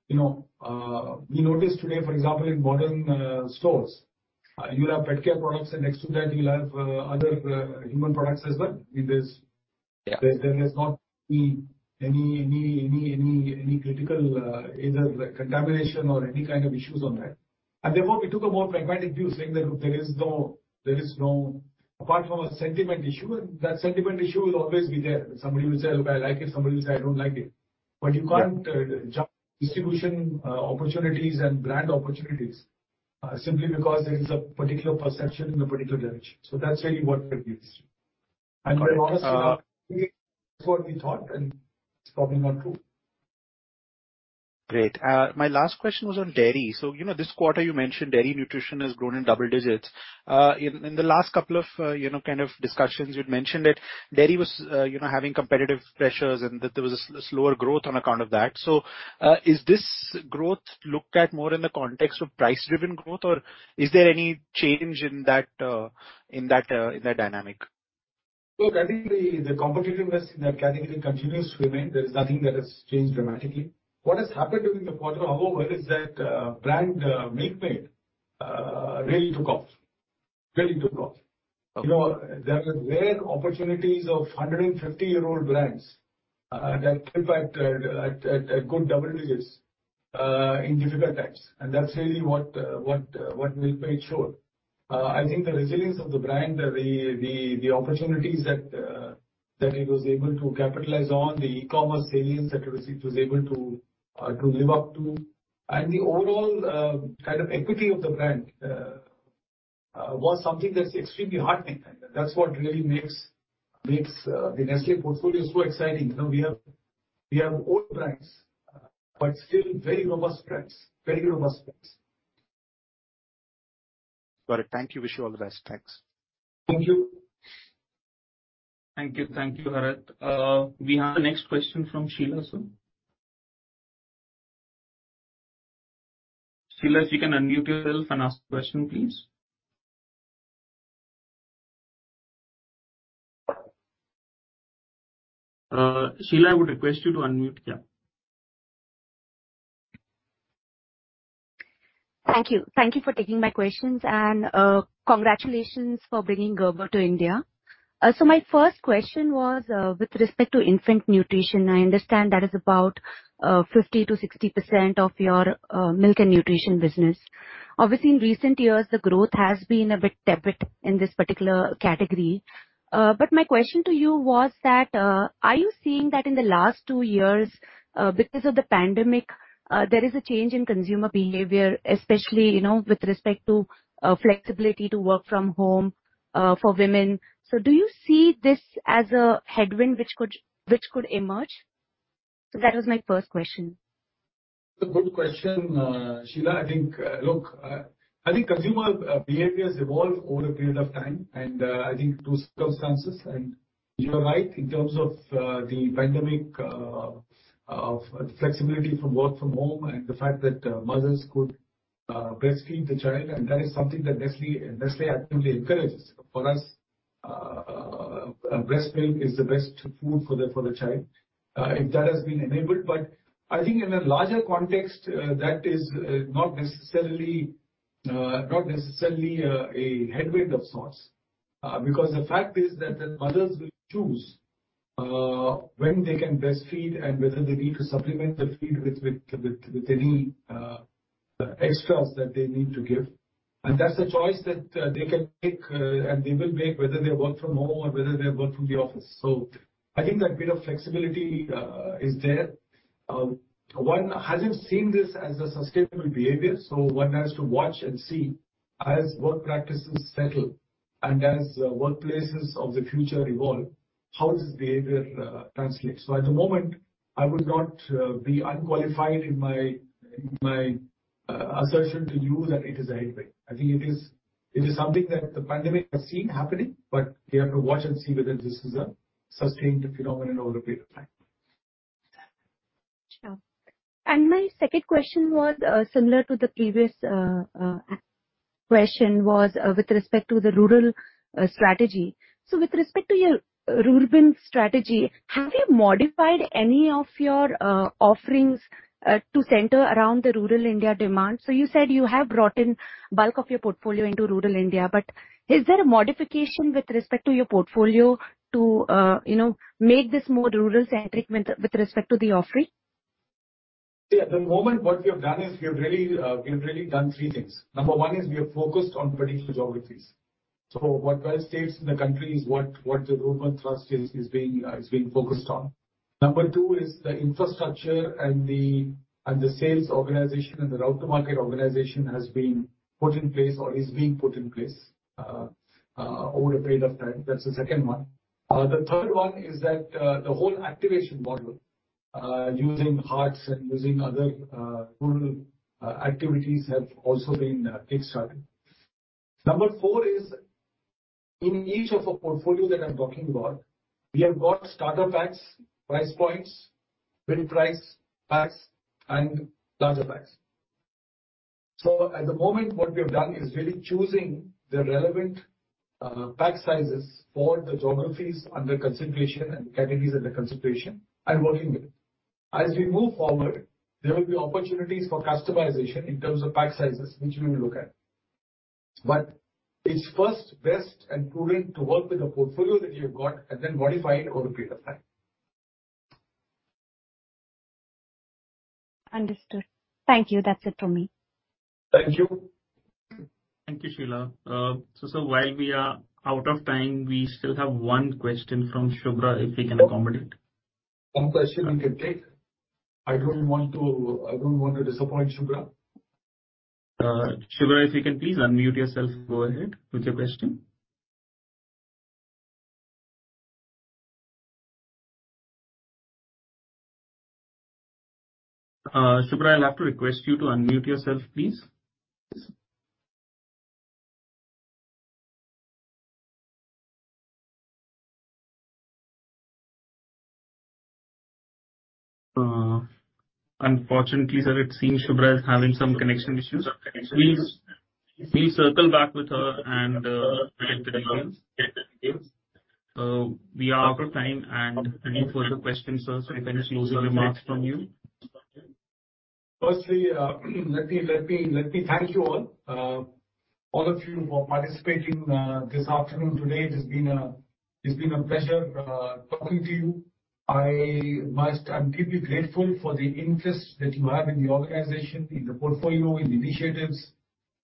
You know, we notice today, for example, in modern stores, you'll have pet care products, and next to that you'll have other human products as well. It is. Yeah. There has not been any critical either contamination or any kind of issues on that. Therefore, we took a more pragmatic view saying that, look, there is no. Apart from a sentiment issue, and that sentiment issue will always be there. Somebody will say, "I like it," somebody will say, "I don't like it. Yeah. You can't jump distribution opportunities and brand opportunities simply because there is a particular perception in a particular direction. That's really what it is. Got it. Quite honestly, that's what we thought, and it's probably not true. Great. My last question was on dairy. You know, this quarter you mentioned dairy nutrition has grown in double digits. In the last couple of discussions, you'd mentioned that dairy was having competitive pressures and that there was a slower growth on account of that. Is this growth looked at more in the context of price-driven growth, or is there any change in that dynamic? Look, I think the competitiveness in that category continues to remain. There is nothing that has changed dramatically. What has happened during the quarter, however, is that brand Milkmaid really took off. Really took off. Okay. You know, there are rare opportunities of 150-year-old brands that grew back at good double digits in difficult times, and that's really what Milkmaid showed. I think the resilience of the brand, the opportunities that it was able to capitalize on, the e-commerce salience that it was able to live up to, and the overall kind of equity of the brand was something that's extremely heartening. That's what really makes the Nestlé portfolio so exciting. You know, we have old brands, but still very robust brands. Got it. Thank you. Wish you all the best. Thanks. Thank you. Thank you. Thank you, Harit. We have the next question from Sheela, sir. Sheela, you can unmute yourself and ask the question, please. Sheela, I would request you to unmute. Yeah. Thank you. Thank you for taking my questions, and congratulations for bringing Gerber to India. My first question was with respect to infant nutrition. I understand that is about 50%-60% of your milk and nutrition business. Obviously, in recent years, the growth has been a bit tepid in this particular category. My question to you was that are you seeing that in the last two years, because of the pandemic, there is a change in consumer behavior, especially, with respect to flexibility to work from home for women? Do you see this as a headwind which could emerge? That was my first question. It's a good question, Sheela. I think consumer behaviors evolve over a period of time, and I think through circumstances. You are right in terms of the pandemic, flexibility from work from home, and the fact that mothers could breastfeed the child, and that is something that Nestlé actively encourages. For us, breast milk is the best food for the child. If that has been enabled. I think in a larger context, that is not necessarily a headwind of sorts. Because the fact is that the mothers will choose when they can breastfeed and whether they need to supplement the feed with any extras that they need to give. That's a choice that they can take, and they will make whether they work from home or whether they work from the office. I think that bit of flexibility is there. One hasn't seen this as a sustainable behavior, so one has to watch and see as work practices settle and as workplaces of the future evolve, how this behavior translates. At the moment, I would not be unqualified in my assertion to you that it is a headwind. I think it is something that the pandemic has seen happening, but we have to watch and see whether this is a sustained phenomenon over a period of time. Sure. My second question was similar to the previous question with respect to the rural strategy. With respect to your rural penetration strategy, have you modified any of your offerings to center around the rural India demand? You said you have brought the bulk of your portfolio into rural India, but is there a modification with respect to your portfolio to make this more rural-centric with respect to the offering? Yeah. At the moment what we have done is we have really done three things. Number one is we are focused on particular geographies. States in the country is what the rural thrust is being focused on. Number two is the infrastructure and the sales organization and the route to market organization has been put in place or is being put in place over a period of time. That's the second one. The third one is that the whole activation model using haats and using other rural activities have also been kick-started. Number four is in each of the portfolio that I'm talking about, we have got starter packs, price points, value packs and larger packs. At the moment what we have done is really choosing the relevant pack sizes for the geographies under consideration and categories under consideration and working with. As we move forward, there will be opportunities for customization in terms of pack sizes, which we will look at. It's first best and prudent to work with the portfolio that you've got and then modify it over a period of time. Understood. Thank you. That's it from me. Thank you. Thank you, Sheela. While we are out of time, we still have one question from Shubhra, if we can accommodate. One question we can take. I don't want to disappoint Shubhra. Shubhra, if you can please unmute yourself. Go ahead with your question. Shubhra, I'll have to request you to unmute yourself, please. Unfortunately, sir, it seems Shubhra is having some connection issues. We'll circle back with her and get the details. We are out of time and any further questions, sir. If I can just close your remarks from you. Firstly, let me thank you all for participating this afternoon. It's been a pleasure talking to you. I'm deeply grateful for the interest that you have in the organization, in the portfolio, in the initiatives.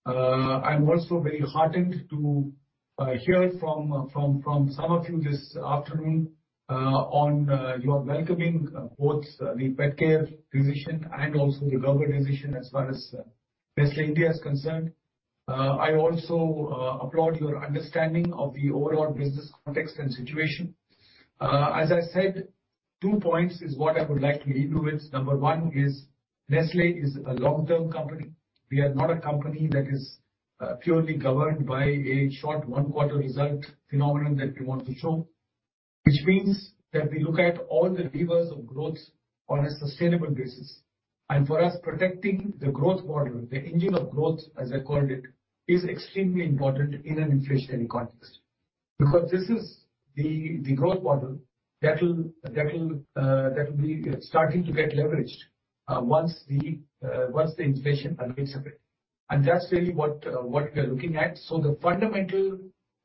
I'm also very heartened to hear from some of you this afternoon on your welcoming both the pet care position and also the Gerber decision as far as Nestlé India is concerned. I also applaud your understanding of the overall business context and situation. As I said, two points is what I would like to leave you with. Number one is Nestlé is a long-term company. We are not a company that is purely governed by a short Q1 result phenomenon that we want to show. Which means that we look at all the levers of growth on a sustainable basis. For us, protecting the growth model, the engine of growth, as I called it, is extremely important in an inflationary context. Because this is the growth model that'll be starting to get leveraged once the inflation mitigates a bit. That's really what we are looking at. The fundamental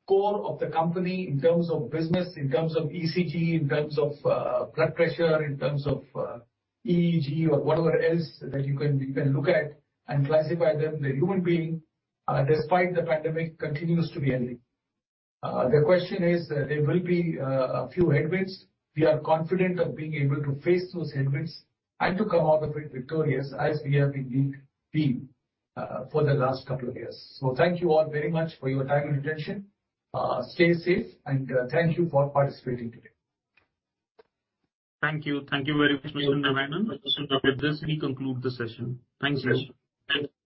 core of the company in terms of business, in terms of ECG, in terms of blood pressure, in terms of EEG or whatever else that you can look at and classify them, the human being despite the pandemic, continues to be healthy. The question is, there will be a few headwinds. We are confident of being able to face those headwinds and to come out of it victorious as we have been being for the last couple of years. Thank you all very much for your time and attention. Stay safe and thank you for participating today. Thank you. Thank you very much, Mr. Narayanan. With this, we conclude the session. Thank you. Thank you.